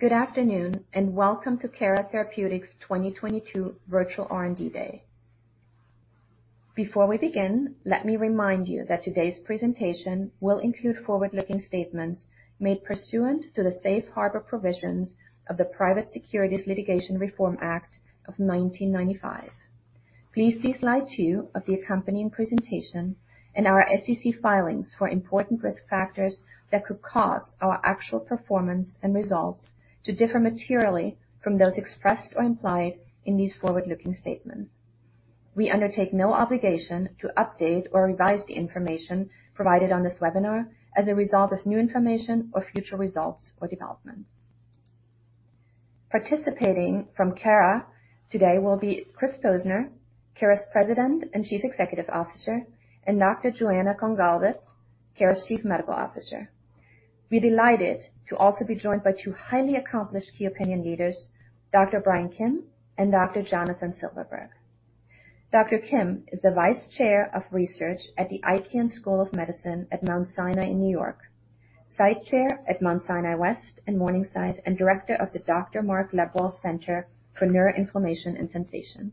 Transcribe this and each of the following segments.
Good afternoon, and welcome to Cara Therapeutics' 2022 Virtual R&D Day. Before we begin, let me remind you that today's presentation will include forward-looking statements made pursuant to the safe harbor provisions of the Private Securities Litigation Reform Act of 1995. Please see slide two of the accompanying presentation and our SEC filings for important risk factors that could cause our actual performance and results to differ materially from those expressed or implied in these forward-looking statements. We undertake no obligation to update or revise the information provided on this webinar as a result of new information or future results or developments. Participating from Cara today will be Chris Posner, Cara's President and Chief Executive Officer, and Dr. Joana Goncalves, Cara's Chief Medical Officer. We're delighted to also be joined by two highly accomplished key opinion leaders, Dr. Brian Kim and Dr. Jonathan Silverberg. Dr. Kim is the Vice Chair of Research at the Icahn School of Medicine at Mount Sinai in New York, Site Chair at Mount Sinai West and Morningside, and Director of the Mark Lebwohl Center for Neuroinflammation and Sensation.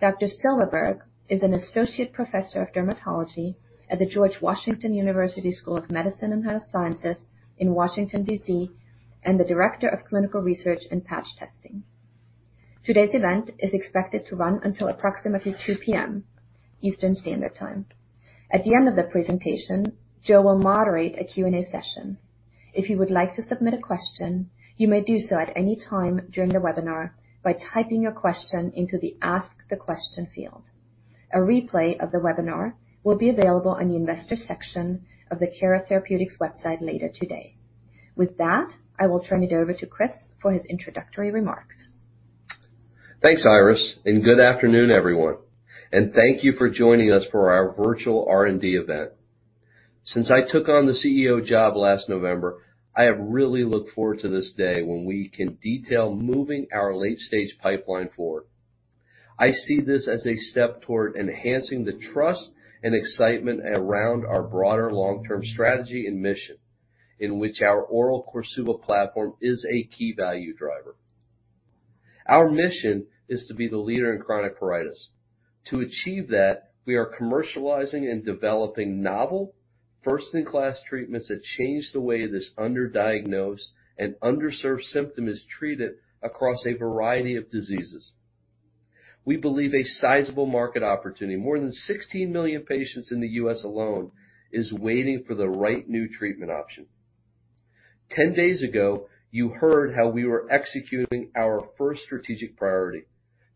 Dr. Jonathan Silverberg is an Associate Professor of Dermatology at the George Washington University School of Medicine and Health Sciences in Washington, D.C., and the Director of clinical Research and Contact Dermatitis. Today's event is expected to run until approximately 2:00 P.M. Eastern Standard Time. At the end of the presentation, Dr. Jo Goncalves will moderate a Q&A session. If you would like to submit a question, you may do so at any time during the webinar by typing your question into the Ask the Question field. A replay of the webinar will be available on the investor section of the Cara Therapeutics website later today. With that, I will turn it over to Chris for his introductory remarks. Thanks, Iris, and good afternoon, everyone. Thank you for joining us for our virtual R&D event. Since I took on the CEO job last November, I have really looked forward to this day when we can detail moving our late-stage pipeline forward. I see this as a step toward enhancing the trust and excitement around our broader long-term strategy and mission, in which our oral KORSUVA platform is a key value driver. Our mission is to be the leader in chronic pruritus. To achieve that, we are commercializing and developing novel first-in-class treatments that change the way this underdiagnosed and underserved symptom is treated across a variety of diseases. We believe a sizable market opportunity, more than 16 million patients in the U.S. alone, is waiting for the right new treatment option. Ten days ago, you heard how we were executing our first strategic priority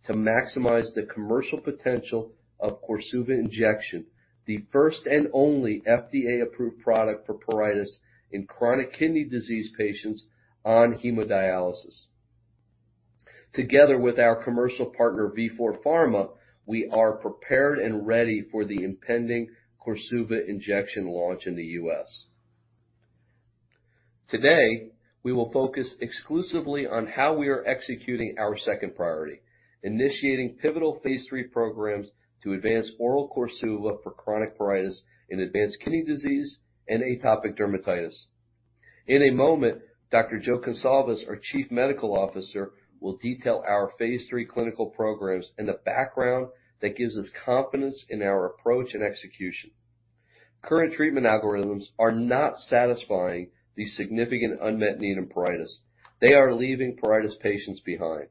to maximize the commercial potential of KORSUVA injection, the first and only FDA-approved product for pruritus in chronic kidney disease patients on hemodialysis. Together with our commercial partner, Vifor Pharma, we are prepared and ready for the impending KORSUVA injection launch in the U.S. Today, we will focus exclusively on how we are executing our second priority, initiating pivotal phase III programs to advance oral KORSUVA for chronic pruritus in advanced kidney disease and atopic dermatitis. In a moment, Dr. Jo Goncalves, our Chief Medical Officer, will detail our phase III clinical programs and the background that gives us confidence in our approach and execution. Current treatment algorithms are not satisfying the significant unmet need in pruritus. They are leaving pruritus patients behind.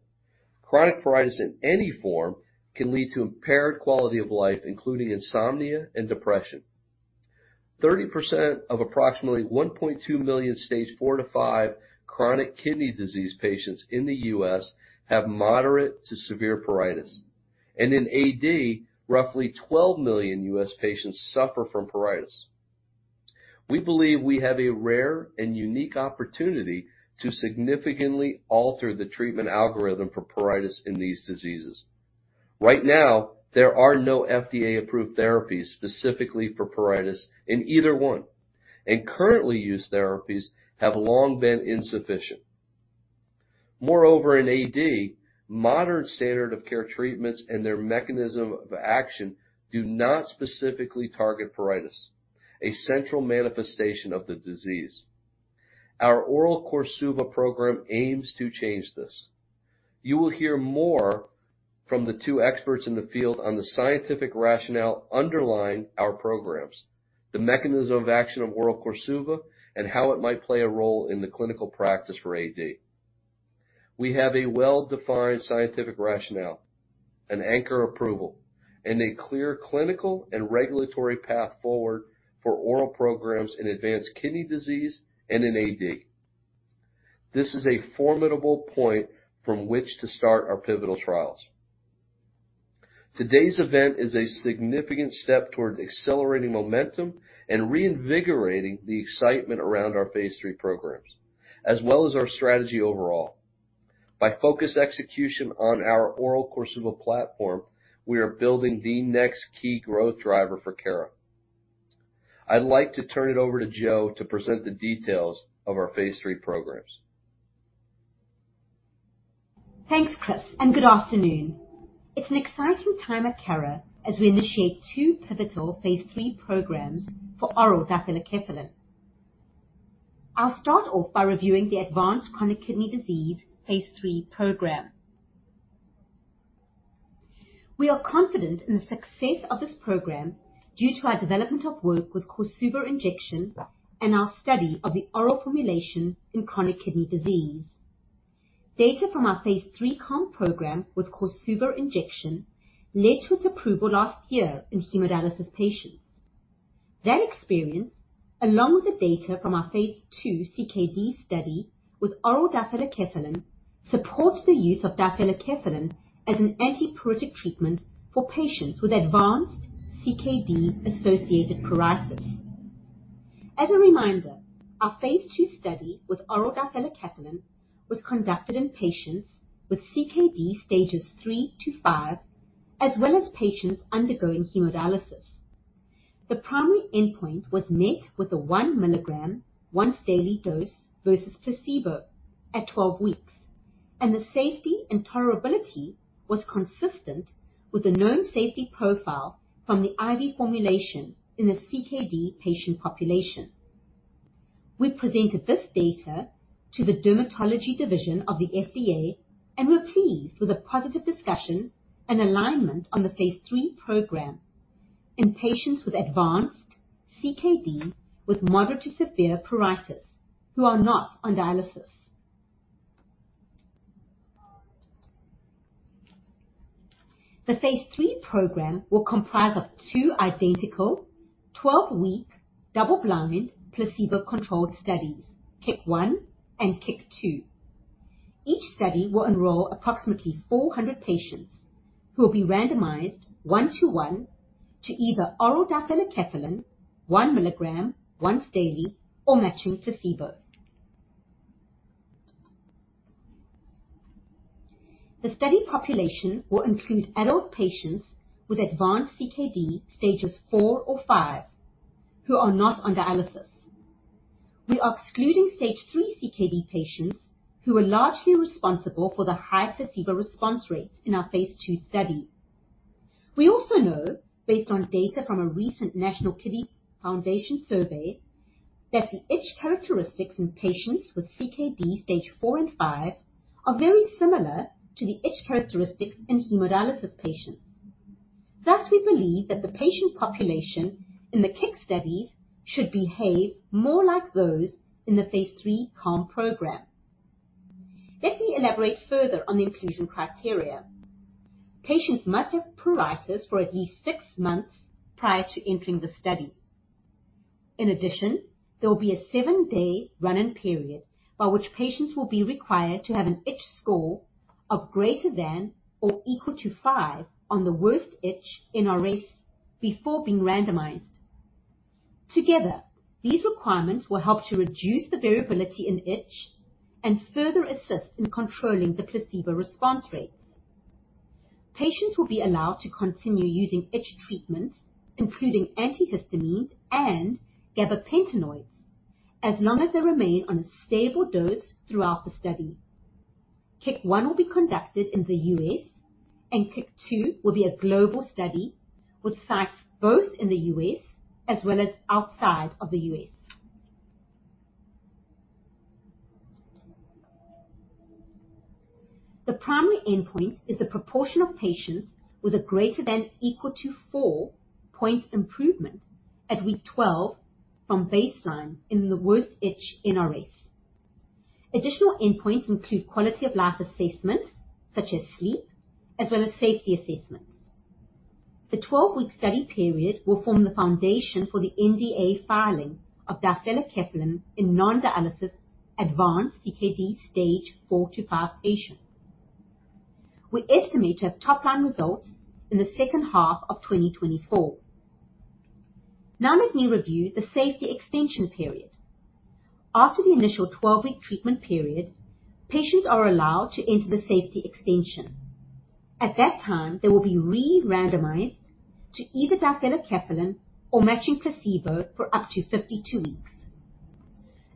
Chronic pruritus in any form can lead to impaired quality of life, including insomnia and depression. 30% of approximately 1.2 million stage 4 to 5 chronic kidney disease patients in the U.S. have moderate to severe pruritus, and in AD, roughly 12 million U.S. patients suffer from pruritus. We believe we have a rare and unique opportunity to significantly alter the treatment algorithm for pruritus in these diseases. Right now, there are no FDA-approved therapies specifically for pruritus in either one, and currently used therapies have long been insufficient. Moreover, in AD, modern standard of care treatments and their mechanism of action do not specifically target pruritus, a central manifestation of the disease. Our oral KORSUVA program aims to change this. You will hear more from the two experts in the field on the scientific rationale underlying our programs, the mechanism of action of oral KORSUVA, and how it might play a role in the clinical practice for AD. We have a well-defined scientific rationale, an anchor approval, and a clear clinical and regulatory path forward for oral programs in advanced kidney disease and in AD. This is a formidable point from which to start our pivotal trials. Today's event is a significant step toward accelerating momentum and reinvigorating the excitement around our phase III programs, as well as our strategy overall. By focused execution on our oral KORSUVA platform, we are building the next key growth driver for Cara. I'd like to turn it over to Jo to present the details of our phase III programs. Thanks, Chris, and good afternoon. It's an exciting time at Cara as we initiate two pivotal phase III programs for oral difelikefalin. I'll start off by reviewing the advanced chronic kidney disease phase III program. We are confident in the success of this program due to our development of work with KORSUVA injection and our study of the oral formulation in chronic kidney disease. Data from our phase III KALM program with KORSUVA injection led to its approval last year in hemodialysis patients. That experience, along with the data from our phase II CKD study with oral difelikefalin, supports the use of difelikefalin as an antipruritic treatment for patients with advanced CKD-associated pruritus. As a reminder, our phase II study with oral difelikefalin was conducted in patients with CKD stages 3-5, as well as patients undergoing hemodialysis. The primary endpoint was met with a 1 mg once daily dose versus placebo at 12 weeks, and the safety and tolerability was consistent with the known safety profile from the IV formulation in the CKD patient population. We presented this data to the dermatology division of the FDA and were pleased with a positive discussion and alignment on the phase III program in patients with advanced CKD with moderate to severe pruritus who are not on dialysis. The phase III program will comprise of two identical 12-week double-blind placebo-controlled studies, KICK 1 and KICK 2. Each study will enroll approximately 400 patients who will be randomized 1:1 to either oral difelikefalin 1 mg once daily or matching placebo. The study population will include adult patients with advanced CKD stages 4 or 5 who are not on dialysis. We are excluding stage 3 CKD patients who are largely responsible for the high placebo response rates in our phase II study. We also know, based on data from a recent National Kidney Foundation survey, that the itch characteristics in patients with CKD stage 4 and 5 are very similar to the itch characteristics in hemodialysis patients. Thus, we believe that the patient population in the KICK studies should behave more like those in the phase III KALM program. Let me elaborate further on the inclusion criteria. Patients must have pruritus for at least six months prior to entering the study. In addition, there will be a seven-day run-in period by which patients will be required to have an itch score of greater than or equal to five on the worst itch NRS before being randomized. Together, these requirements will help to reduce the variability in itch and further assist in controlling the placebo response rates. Patients will be allowed to continue using itch treatments, including antihistamines and gabapentinoids, as long as they remain on a stable dose throughout the study. KICK 1 will be conducted in the U.S., and KICK 2 will be a global study with sites both in the U.S. as well as outside of the U.S. The primary endpoint is the proportion of patients with a greater than or equal to four-point improvement at week 12 from baseline in the worst itch NRS. Additional endpoints include quality of life assessments such as sleep, as well as safety assessments. The 12-week study period will form the foundation for the NDA filing of difelikefalin in non-dialysis advanced CKD stage 4 to 5 patients. We estimate to have top-line results in the second half of 2024. Now let me review the safety extension period. After the initial 12-week treatment period, patients are allowed to enter the safety extension. At that time, they will be re-randomized to either difelikefalin or matching placebo for up to 52 weeks.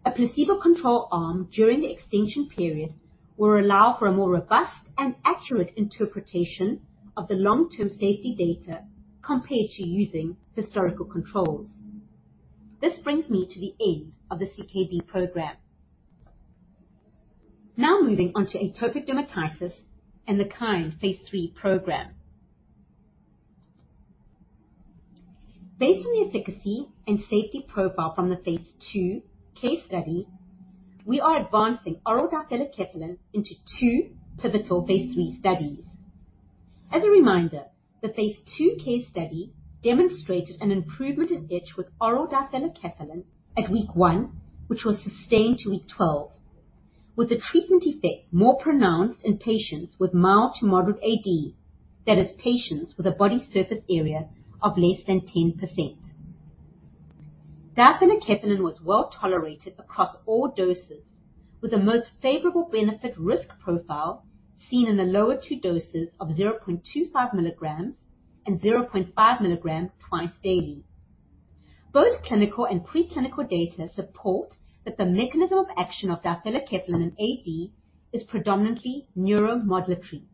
A placebo control arm during the extension period will allow for a more robust and accurate interpretation of the long-term safety data compared to using historical controls. This brings me to the end of the CKD program. Now moving on to atopic dermatitis and the KIND phase III program. Based on the efficacy and safety profile from the phase II KARE study, we are advancing oral difelikefalin into two pivotal phase III studies. As a reminder, the phase II KARE study demonstrated an improvement in itch with oral difelikefalin at week one, which was sustained to week 12, with the treatment effect more pronounced in patients with mild to moderate AD, that is, patients with a body surface area of less than 10%. Difelikefalin was well tolerated across all doses, with the most favorable benefit risk profile seen in the lower two doses of 0.25 mgs and 0.5 mg twice daily. Both clinical and preclinical data support that the mechanism of action of difelikefalin in AD is predominantly neuromodulatory.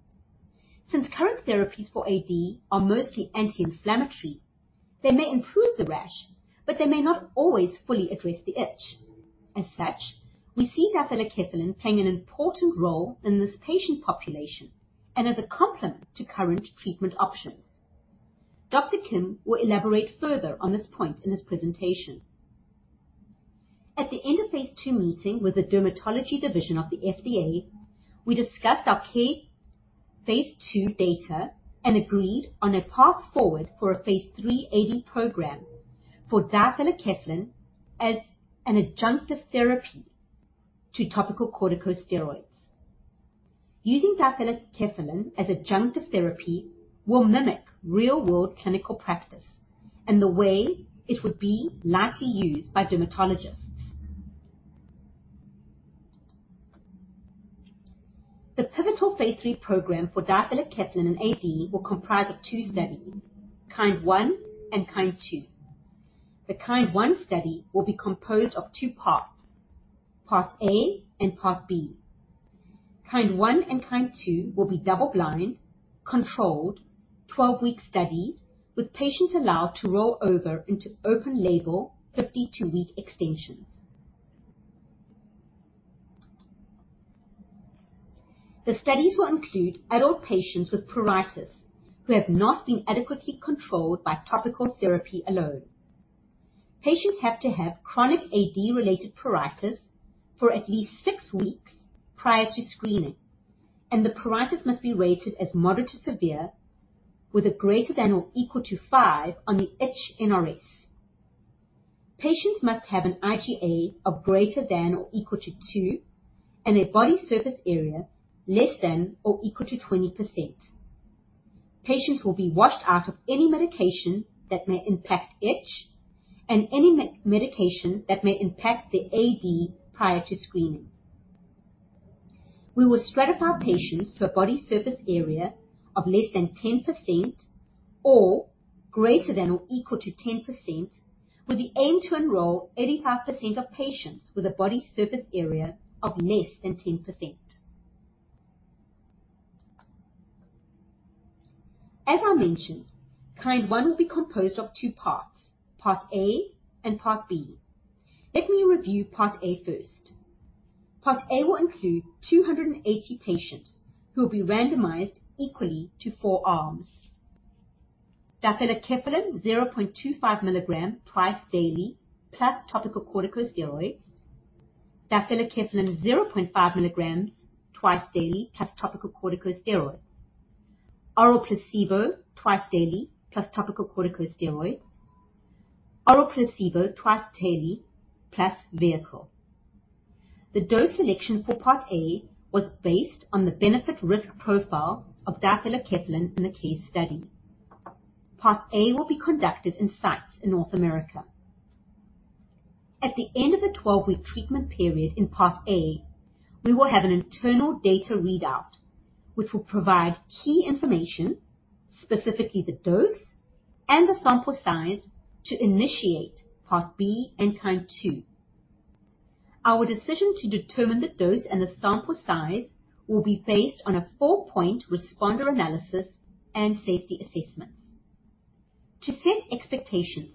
Since current therapies for AD are mostly anti-inflammatory, they may improve the rash, but they may not always fully address the itch. As such, we see difelikefalin playing an important role in this patient population and as a complement to current treatment options. Dr. Kim will elaborate further on this point in his presentation. At the end of phase II meeting with the dermatology division of the FDA, we discussed our key phase II data and agreed on a path forward for a phase III AD program for difelikefalin as an adjunctive therapy to topical corticosteroids. Using difelikefalin as adjunctive therapy will mimic real-world clinical practice and the way it would be likely used by dermatologists. The pivotal phase III program for difelikefalin in AD will comprise of two studies, KIND 1 and KIND 2. The KIND 1 study will be composed of two parts, part A and part B. KIND 1 and KIND 2 will be double-blind, controlled, 12-week studies with patients allowed to roll over into open-label 52-week extensions. The studies will include adult patients with pruritus who have not been adequately controlled by topical therapy alone. Patients have to have chronic AD related pruritus for at least six weeks prior to screening, and the pruritus must be rated as moderate to severe with a greater than or equal to five on the itch NRS. Patients must have an IGA of greater than or equal to two and a body surface area less than or equal to 20%. Patients will be washed out of any medication that may impact itch and any medication that may impact their AD prior to screening. We will stratify patients to a body surface area of less than 10% or greater than or equal to 10% with the aim to enroll 85% of patients with a body surface area of less than 10%. As I mentioned, KIND 1 will be composed of two parts, part A and part B. Let me review part A first. Part A will include 280 patients who will be randomized equally to four arms. Difelikefalin 0.25 mg twice daily plus topical corticosteroids. Difelikefalin 0.5 mg twice daily plus topical corticosteroids. Oral placebo twice daily plus topical corticosteroids. Oral placebo twice daily plus vehicle. The dose selection for part A was based on the benefit risk profile of difelikefalin in the KARE study. Part A will be conducted in sites in North America. At the end of the 12-week treatment period in part A, we will have an internal data readout, which will provide key information, specifically the dose and the sample size, to initiate part B and KIND 2. Our decision to determine the dose and the sample size will be based on a four-point responder analysis and safety assessments. To set expectations,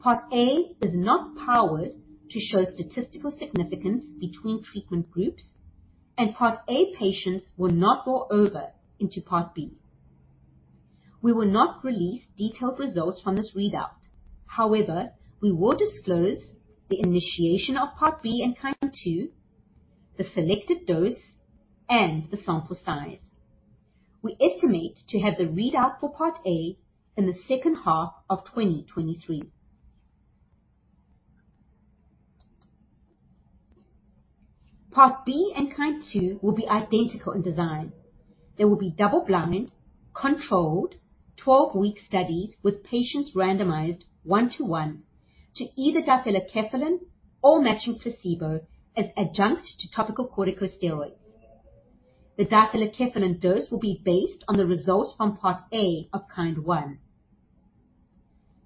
part A is not powered to show statistical significance between treatment groups, and part A patients will not roll over into part B. We will not release detailed results from this readout. However, we will disclose the initiation of part B in KIND 2, the selected dose, and the sample size. We estimate to have the readout for part A in the second half of 2023. Part B and KIND 2 will be identical in design. They will be double-blind, controlled, 12-week studies with patients randomized 1:1 to either difelikefalin or matching placebo as adjunct to topical corticosteroids. The difelikefalin dose will be based on the results from part A of KIND 1.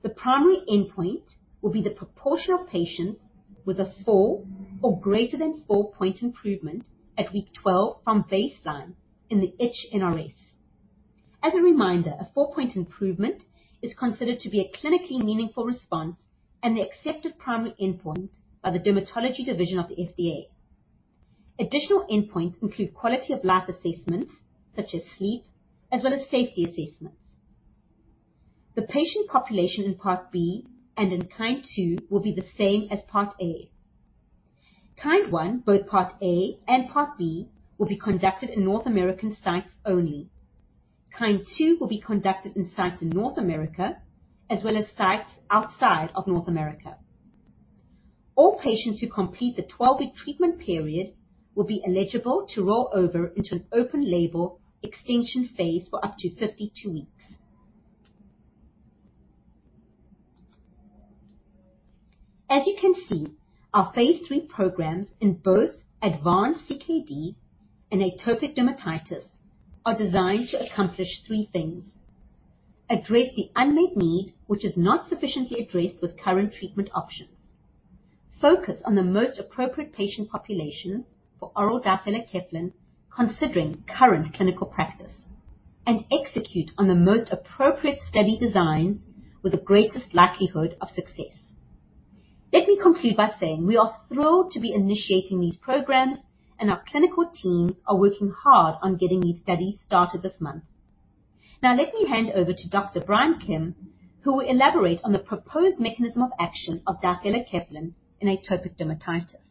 The primary endpoint will be the proportion of patients with a 4 or greater than four-point improvement at week 12 from baseline in the itch NRS. As a reminder, a four-point improvement is considered to be a clinically meaningful response and the accepted primary endpoint by the dermatology division of the FDA. Additional endpoints include quality of life assessments such as sleep, as well as safety assessments. The patient population in part B and in KIND 2 will be the same as part A. KIND 1, both part A and part B, will be conducted in North American sites only. KIND 2 will be conducted in sites in North America as well as sites outside of North America. All patients who complete the 12-week treatment period will be eligible to roll over into an open label extension phase for up to 52 weeks. As you can see, our phase III programs in both advanced CKD and atopic dermatitis are designed to accomplish 3 things. Address the unmet need, which is not sufficiently addressed with current treatment options. Focus on the most appropriate patient populations for oral difelikefalin, considering current clinical practice. Execute on the most appropriate study designs with the greatest likelihood of success. Let me conclude by saying, we are thrilled to be initiating these programs, and our clinical teams are working hard on getting these studies started this month. Now let me hand over to Dr. Brian Kim, who will elaborate on the proposed mechanism of action of difelikefalin in atopic dermatitis.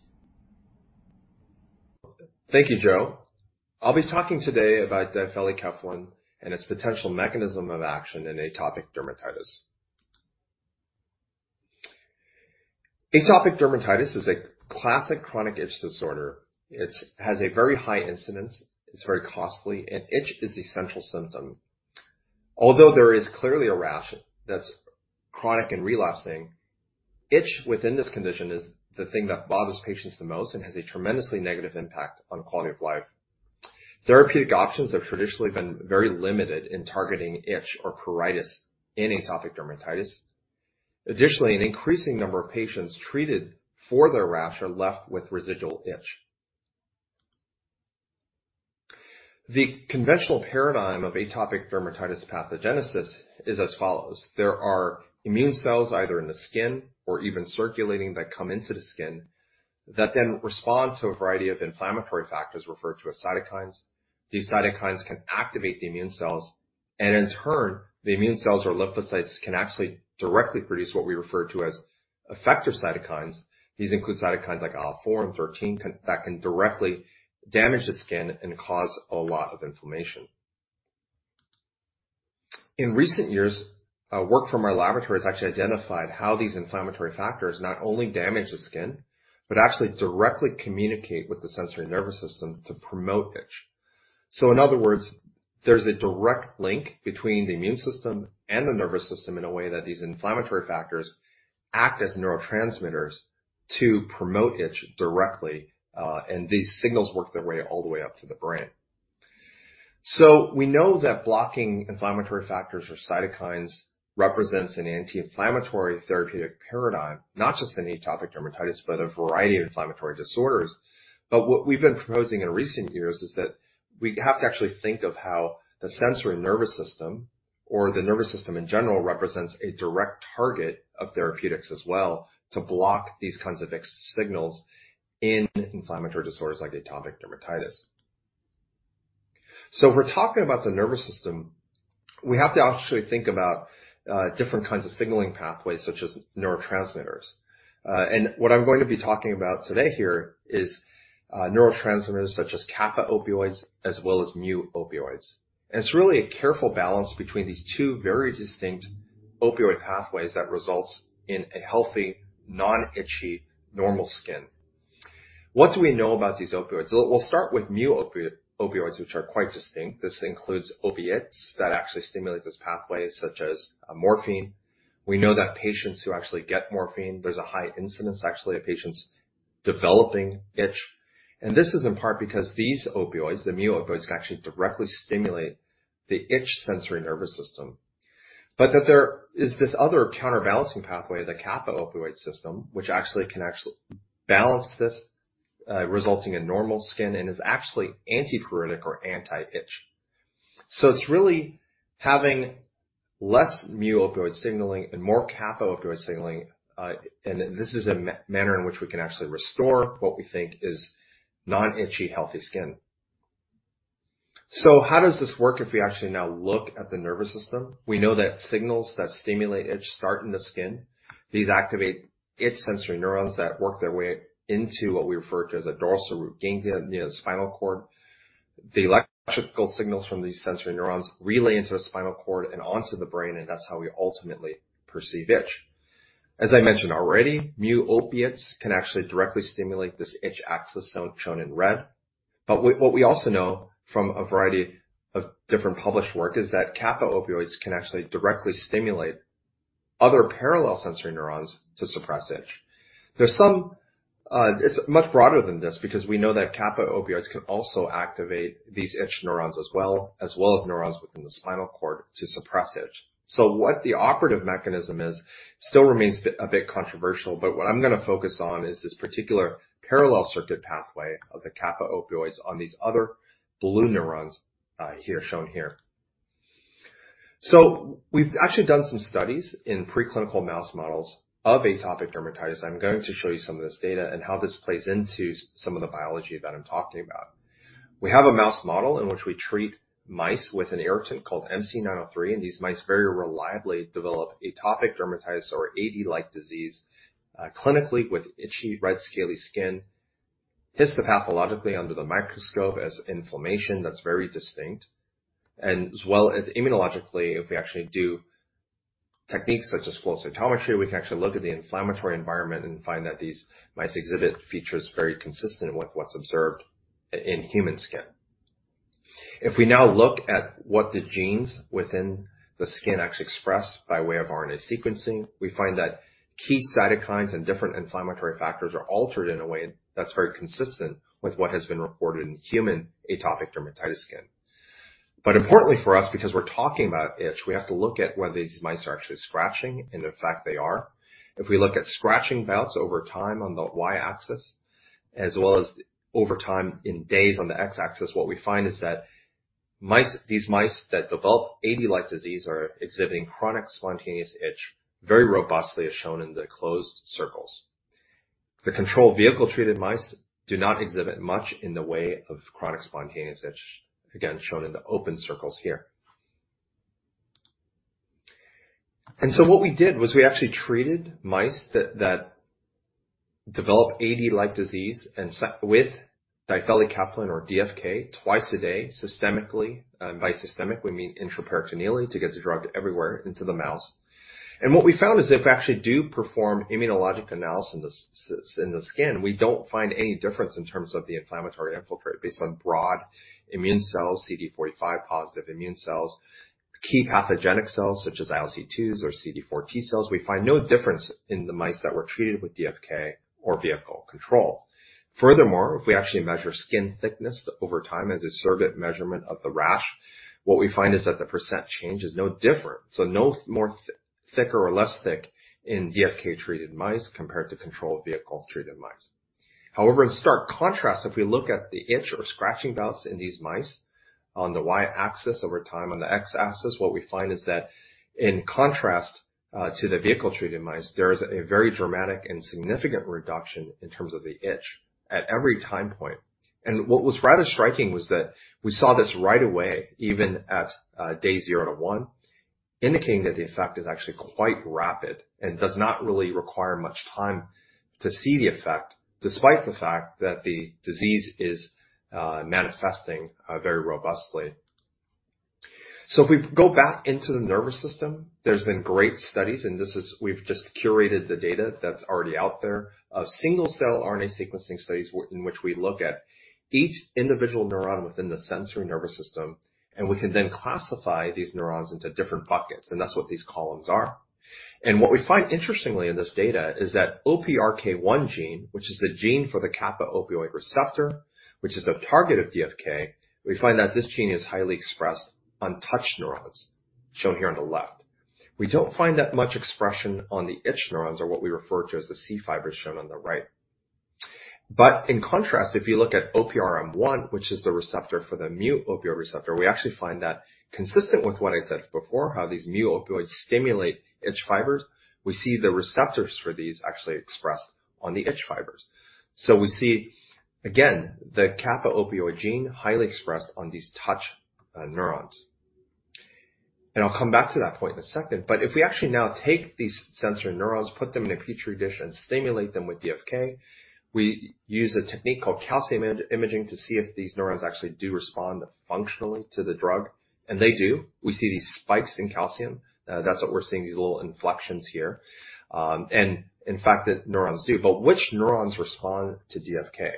Thank you, Jo. I'll be talking today about difelikefalin and its potential mechanism of action in atopic dermatitis. Atopic dermatitis is a classic chronic itch disorder. It has a very high incidence, it's very costly, and itch is the central symptom. Although there is clearly a rash that's chronic and relapsing, itch within this condition is the thing that bothers patients the most and has a tremendously negative impact on quality of life. Therapeutic options have traditionally been very limited in targeting itch or pruritus in atopic dermatitis. Additionally, an increasing number of patients treated for their rash are left with residual itch. The conventional paradigm of atopic dermatitis pathogenesis is as follows. There are immune cells either in the skin or even circulating that come into the skin that then respond to a variety of inflammatory factors referred to as cytokines. These cytokines can activate the immune cells, and in turn, the immune cells or lymphocytes can actually directly produce what we refer to as effector cytokines. These include cytokines like IL-4 and IL-13 that can directly damage the skin and cause a lot of inflammation. In recent years, work from our laboratory has actually identified how these inflammatory factors not only damage the skin, but actually directly communicate with the sensory nervous system to promote itch. In other words, there's a direct link between the immune system and the nervous system in a way that these inflammatory factors act as neurotransmitters to promote itch directly, and these signals work their way all the way up to the brain. We know that blocking inflammatory factors or cytokines represents an anti-inflammatory therapeutic paradigm, not just in atopic dermatitis, but a variety of inflammatory disorders. What we've been proposing in recent years is that we have to actually think of how the sensory nervous system or the nervous system in general represents a direct target of therapeutics as well to block these kinds of signals in inflammatory disorders like atopic dermatitis. If we're talking about the nervous system, we have to actually think about different kinds of signaling pathways such as neurotransmitters. What I'm going to be talking about today here is neurotransmitters such as kappa opioids as well as mu opioids. It's really a careful balance between these two very distinct opioid pathways that results in a healthy, non-itchy, normal skin. What do we know about these opioids? We'll start with mu opioids, which are quite distinct. This includes opiates that actually stimulate this pathway, such as morphine. We know that patients who actually get morphine, there's a high incidence actually of patients developing itch. This is in part because these opioids, the mu opioids, can actually directly stimulate the itch sensory nervous system. That there is this other counterbalancing pathway, the kappa opioid system, which actually can actually balance this, resulting in normal skin and is actually antipruritic or anti-itch. It's really having less mu opioid signaling and more kappa opioid signaling, and this is a manner in which we can actually restore what we think is non-itchy, healthy skin. How does this work if we actually now look at the nervous system? We know that signals that stimulate itch start in the skin. These activate itch sensory neurons that work their way into what we refer to as a dorsal root ganglia near the spinal cord. The electrical signals from these sensory neurons relay into the spinal cord and onto the brain, and that's how we ultimately perceive itch. As I mentioned already, mu opioids can actually directly stimulate this itch axis zone shown in red. What we also know from a variety of different published work is that kappa opioids can actually directly stimulate other parallel sensory neurons to suppress itch. It's much broader than this because we know that kappa opioids can also activate these itch neurons as well as neurons within the spinal cord to suppress itch. What the operative mechanism is still remains a bit controversial, but what I'm gonna focus on is this particular parallel circuit pathway of the kappa opioids on these other blue neurons, here, shown here. We've actually done some studies in preclinical mouse models of atopic dermatitis. I'm going to show you some of this data and how this plays into some of the biology that I'm talking about. We have a mouse model in which we treat mice with an irritant called MC903, and these mice very reliably develop atopic dermatitis or AD-like disease, clinically with itchy, red, scaly skin. Histopathologically under the microscope as inflammation, that's very distinct. As well as immunologically, if we actually do techniques such as flow cytometry, we can actually look at the inflammatory environment and find that these mice exhibit features very consistent with what's observed in human skin. If we now look at what the genes within the skin actually express by way of RNA sequencing, we find that key cytokines and different inflammatory factors are altered in a way that's very consistent with what has been reported in human atopic dermatitis skin. Importantly for us, because we're talking about itch, we have to look at whether these mice are actually scratching, and in fact, they are. If we look at scratching bouts over time on the Y-axis, as well as over time in days on the X-axis, what we find is that mice, these mice that develop AD-like disease are exhibiting chronic spontaneous itch very robustly as shown in the closed circles. The control vehicle-treated mice do not exhibit much in the way of chronic spontaneous itch, again, shown in the open circles here. What we did was we actually treated mice that develop AD-like disease with difelikefalin or DFK twice a day systemically. By systemic, we mean intraperitoneally to get the drug everywhere into the mouse. What we found is if we actually do perform immunologic analyses in the skin, we don't find any difference in terms of the inflammatory infiltrate based on broad immune cells, CD45 positive immune cells. Key pathogenic cells such as ILC2s or CD4+ T cells, we find no difference in the mice that were treated with DFK or vehicle control. Furthermore, if we actually measure skin thickness over time as a surrogate measurement of the rash, what we find is that the % change is no different. No more thicker or less thick in DFK-treated mice compared to control vehicle-treated mice. However, in stark contrast, if we look at the itch or scratching bouts in these mice on the Y-axis over time on the X-axis, what we find is that in contrast to the vehicle-treated mice, there is a very dramatic and significant reduction in terms of the itch at every time point. What was rather striking was that we saw this right away, even at day zero, one, indicating that the effect is actually quite rapid and does not really require much time to see the effect, despite the fact that the disease is manifesting very robustly. If we go back into the nervous system, there's been great studies, and this is... We've just curated the data that's already out there of single-cell RNA sequencing studies in which we look at each individual neuron within the sensory nervous system, and we can then classify these neurons into different buckets, and that's what these columns are. What we find interestingly in this data is that OPRK1 gene, which is the gene for the kappa-opioid receptor, which is a target of DFK, we find that this gene is highly expressed on touch neurons, shown here on the left. We don't find that much expression on the itch neurons or what we refer to as the C fibers shown on the right. In contrast, if you look at OPRM1, which is the receptor for the mu opioid receptor, we actually find that consistent with what I said before, how these mu opioids stimulate itch fibers, we see the receptors for these actually expressed on the itch fibers. We see again, the kappa opioid gene highly expressed on these touch neurons. I'll come back to that point in a second. If we actually now take these sensory neurons, put them in a Petri dish, and stimulate them with DFK, we use a technique called calcium imaging to see if these neurons actually do respond functionally to the drug. They do. We see these spikes in calcium. That's what we're seeing, these little inflections here. In fact, the neurons do. Which neurons respond to DFK?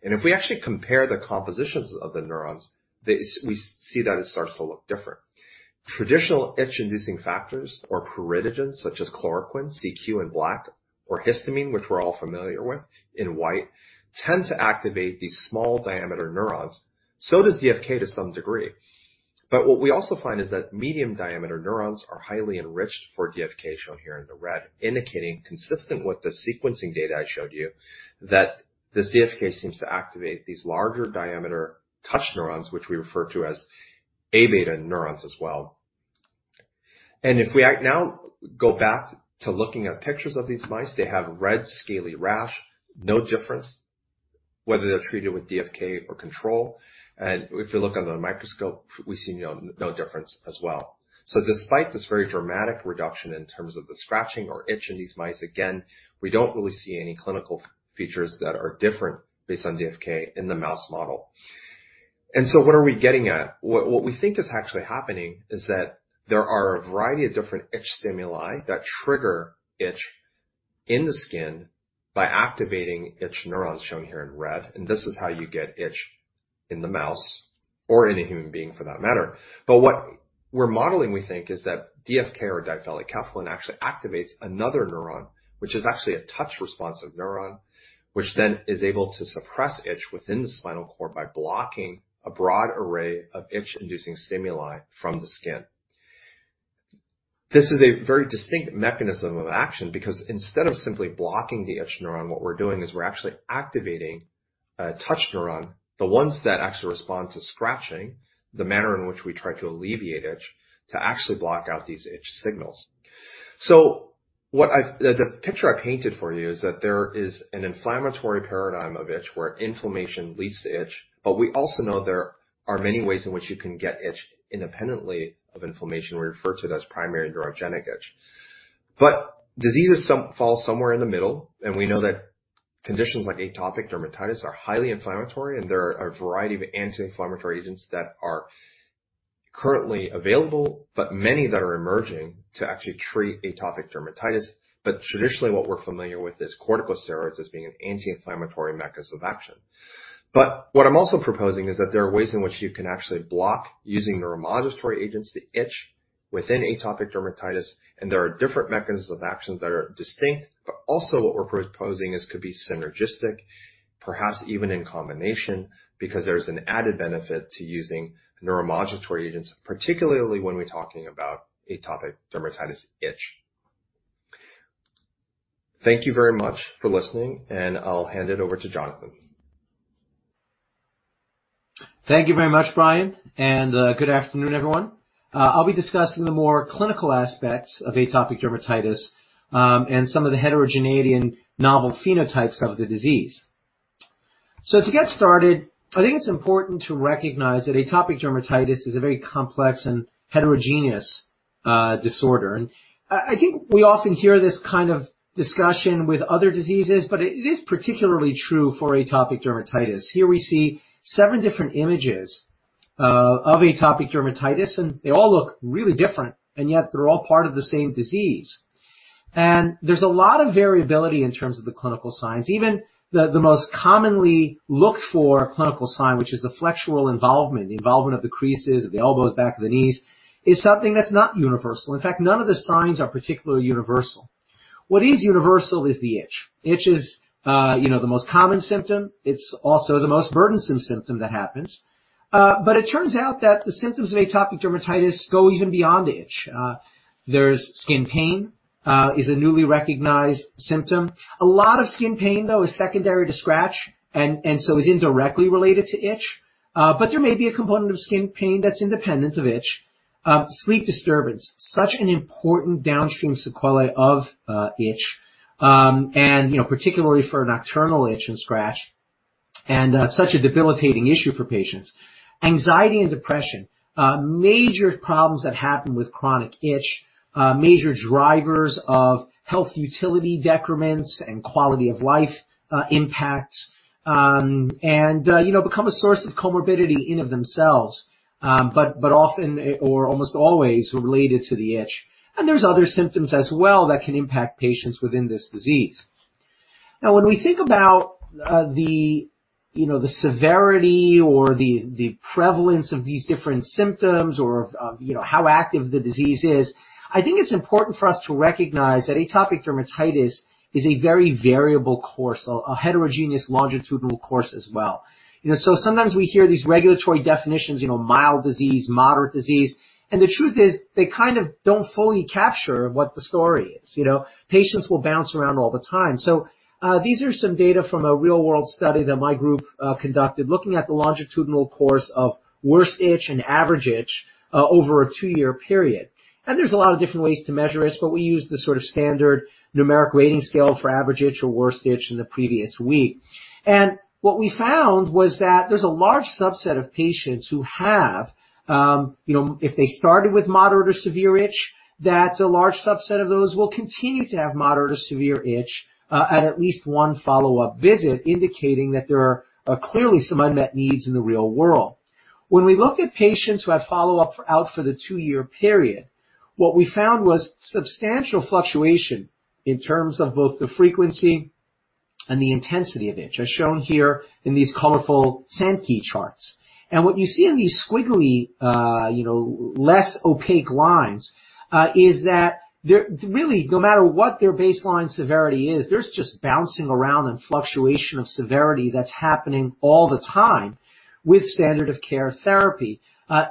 If we actually compare the compositions of the neurons, we see that it starts to look different. Traditional itch-inducing factors or pruritogens, such as chloroquine, CQ in black, or histamine, which we're all familiar with, in white, tend to activate these small-diameter neurons. So does DFK to some degree. But what we also find is that medium-diameter neurons are highly enriched for DFK, shown here in the red, indicating consistent with the sequencing data I showed you that this DFK seems to activate these larger diameter touch neurons, which we refer to as A beta neurons as well. Now go back to looking at pictures of these mice, they have red scaly rash, no difference whether they're treated with DFK or control. If we look under the microscope, we see no difference as well. Despite this very dramatic reduction in terms of the scratching or itch in these mice, again, we don't really see any clinical features that are different based on DFK in the mouse model. What are we getting at? What we think is actually happening is that there are a variety of different itch stimuli that trigger itch in the skin by activating itch neurons, shown here in red, and this is how you get itch in the mouse or in a human being for that matter. What we're modeling, we think, is that DFK or difelikefalin actually activates another neuron, which is actually a touch responsive neuron, which then is able to suppress itch within the spinal cord by blocking a broad array of itch-inducing stimuli from the skin. This is a very distinct mechanism of action because instead of simply blocking the itch neuron, what we're doing is we're actually activating a touch neuron, the ones that actually respond to scratching, the manner in which we try to alleviate itch, to actually block out these itch signals. The picture I painted for you is that there is an inflammatory paradigm of itch where inflammation leads to itch, but we also know there are many ways in which you can get itch independently of inflammation. We refer to it as primary neurogenic itch. Some diseases fall somewhere in the middle, and we know that conditions like atopic dermatitis are highly inflammatory, and there are a variety of anti-inflammatory agents that are currently available, but many that are emerging to actually treat atopic dermatitis. Traditionally, what we're familiar with is corticosteroids as being an anti-inflammatory mechanism of action. What I'm also proposing is that there are ways in which you can actually block using neuromodulatory agents, the itch within atopic dermatitis. There are different mechanisms of actions that are distinct. Also what we're proposing is could be synergistic, perhaps even in combination, because there's an added benefit to using neuromodulatory agents, particularly when we're talking about atopic dermatitis itch. Thank you very much for listening, and I'll hand it over to Jonathan. Thank you very much, Brian. Good afternoon, everyone. I'll be discussing the more clinical aspects of atopic dermatitis and some of the heterogeneity and novel phenotypes of the disease. To get started, I think it's important to recognize that atopic dermatitis is a very complex and heterogeneous disorder. I think we often hear this kind of discussion with other diseases, but it is particularly true for atopic dermatitis. Here we see seven different images of atopic dermatitis, and they all look really different, and yet they're all part of the same disease. There's a lot of variability in terms of the clinical signs. Even the most commonly looked for clinical sign, which is the flexural involvement, the involvement of the creases of the elbows, back of the knees, is something that's not universal. In fact, none of the signs are particularly universal. What is universal is the itch. Itch is, you know, the most common symptom. It's also the most burdensome symptom that happens. It turns out that the symptoms of atopic dermatitis go even beyond itch. Skin pain is a newly recognized symptom. A lot of skin pain, though, is secondary to scratch and so is indirectly related to itch. There may be a component of skin pain that's independent of itch. Sleep disturbance, such an important downstream sequelae of itch, and, you know, particularly for nocturnal itch and scratch, such a debilitating issue for patients. Anxiety and depression, major problems that happen with chronic itch, major drivers of health utility decrements and quality of life impacts, and you know become a source of comorbidity in and of themselves. Often or almost always related to the itch. There's other symptoms as well that can impact patients within this disease. Now, when we think about the you know the severity or the prevalence of these different symptoms or of you know how active the disease is, I think it's important for us to recognize that atopic dermatitis is a very variable course, a heterogeneous longitudinal course as well. You know, so sometimes we hear these regulatory definitions, you know, mild disease, moderate disease, and the truth is they kind of don't fully capture what the story is, you know. Patients will bounce around all the time. These are some data from a real-world study that my group conducted looking at the longitudinal course of worst itch and average itch over a two-year period. There's a lot of different ways to measure this, but we used the sort of standard numeric rating scale for average itch or worst itch in the previous week. What we found was that there's a large subset of patients who have, you know, if they started with moderate or severe itch, that a large subset of those will continue to have moderate or severe itch at least one follow-up visit, indicating that there are clearly some unmet needs in the real world. When we looked at patients who had follow-up out for the two-year period, what we found was substantial fluctuation in terms of both the frequency and the intensity of itch, as shown here in these colorful Sankey charts. What you see in these squiggly, you know, less opaque lines, is that they're really, no matter what their baseline severity is, there's just bouncing around and fluctuation of severity that's happening all the time with standard of care therapy,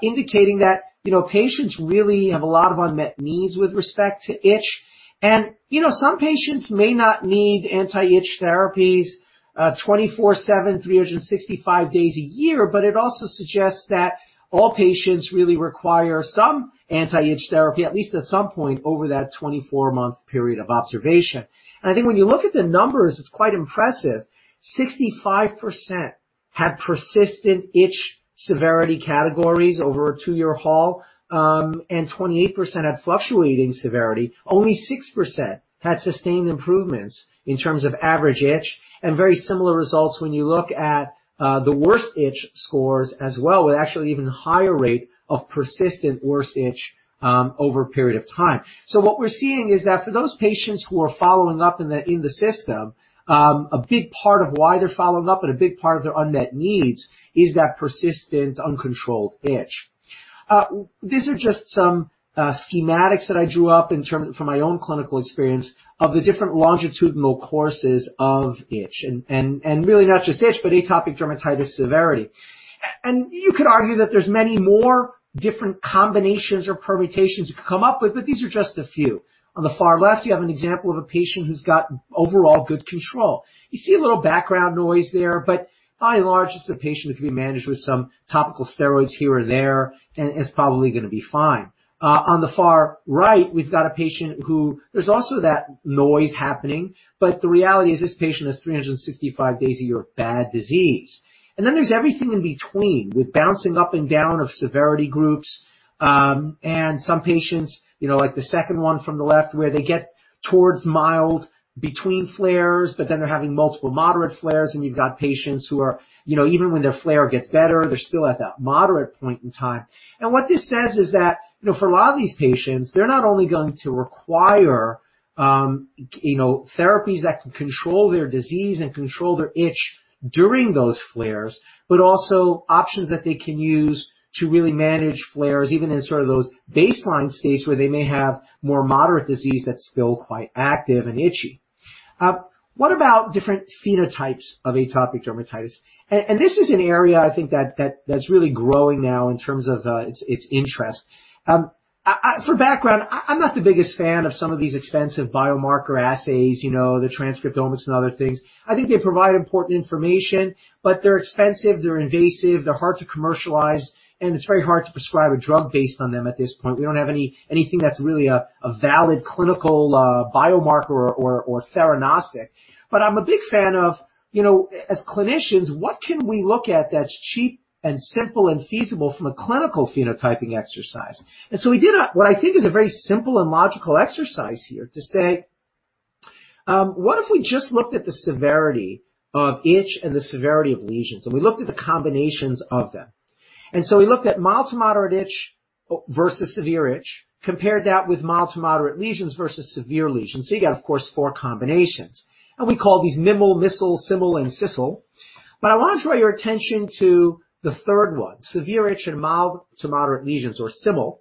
indicating that, you know, patients really have a lot of unmet needs with respect to itch. You know, some patients may not need anti-itch therapies, 24/7, 365 days a year, but it also suggests that all patients really require some anti-itch therapy, at least at some point over that 24-month period of observation. I think when you look at the numbers, it's quite impressive. 65% had persistent itch severity categories over a two-year haul, and 28% had fluctuating severity. Only 6% had sustained improvements in terms of average itch. Very similar results when you look at the worst itch scores as well, with actually even higher rate of persistent worst itch over a period of time. What we're seeing is that for those patients who are following up in the system, a big part of why they're following up and a big part of their unmet needs is that persistent uncontrolled itch. These are just some schematics that I drew up from my own clinical experience of the different longitudinal courses of itch and really not just itch, but atopic dermatitis severity. You could argue that there's many more different combinations or permutations you could come up with, but these are just a few. On the far left, you have an example of a patient who's got overall good control. You see a little background noise there, but by and large, it's a patient who can be managed with some topical steroids here and there and is probably gonna be fine. On the far right, we've got a patient who there's also that noise happening, but the reality is this patient has 365 days a year of bad disease. Then there's everything in between with bouncing up and down of severity groups, and some patients, you know, like the second one from the left, where they get towards mild between flares, but then they're having multiple moderate flares, and you've got patients who are, you know, even when their flare gets better, they're still at that moderate point in time. What this says is that, you know, for a lot of these patients, they're not only going to require, you know, therapies that can control their disease and control their itch during those flares, but also options that they can use to really manage flares, even in sort of those baseline states where they may have more moderate disease that's still quite active and itchy. What about different phenotypes of atopic dermatitis? This is an area I think that's really growing now in terms of its interest. For background, I'm not the biggest fan of some of these expensive biomarker assays, you know, the transcriptomes and other things. I think they provide important information, but they're expensive, they're invasive, they're hard to commercialize, and it's very hard to prescribe a drug based on them at this point. We don't have anything that's really a valid clinical biomarker or theranostic. I'm a big fan of, you know, as clinicians, what can we look at that's cheap and simple and feasible from a clinical phenotyping exercise? We did what I think is a very simple and logical exercise here to say, what if we just looked at the severity of itch and the severity of lesions, and we looked at the combinations of them. We looked at mild to moderate itch versus severe itch, compared that with mild to moderate lesions versus severe lesions. You got, of course, four combinations. We call these MIML, MISL, SIML, and SISL. But I want to draw your attention to the third one, severe itch and mild to moderate lesions or SIML.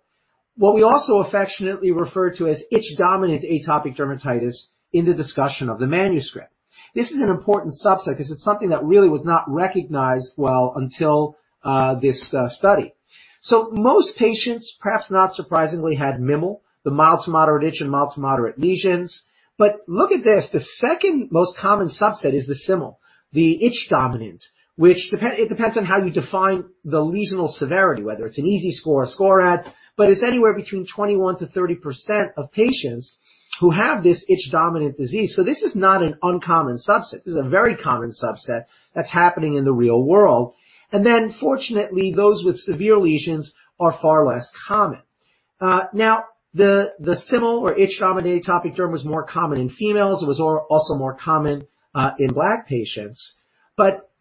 What we also affectionately refer to as itch-dominant atopic dermatitis in the discussion of the manuscript. This is an important subset 'cause it's something that really was not recognized well until this study. Most patients, perhaps not surprisingly, had MIML, the mild to moderate itch and mild to moderate lesions. Look at this, the second most common subset is the SIML, the itch dominant, which it depends on how you define the lesional severity, whether it's an EASI score or SCORAD, but it's anywhere between 21%-30% of patients who have this itch-dominant disease. This is not an uncommon subset. This is a very common subset that's happening in the real world. Fortunately, those with severe lesions are far less common. The SIML or itch-dominant atopic derm was more common in females. It was also more common in black patients.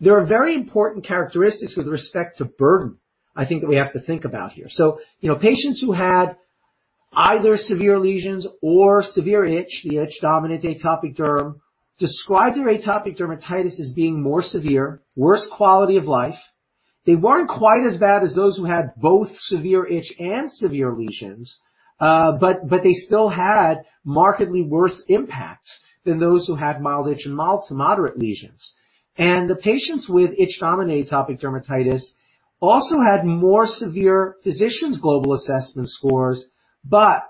There are very important characteristics with respect to burden, I think, that we have to think about here. You know, patients who had either severe lesions or severe itch, the itch-dominant atopic derm, describe their atopic dermatitis as being more severe, worse quality of life. They weren't quite as bad as those who had both severe itch and severe lesions, but they still had markedly worse impacts than those who had mild itch and mild to moderate lesions. The patients with itch-dominant atopic dermatitis also had more severe physician's global assessment scores, but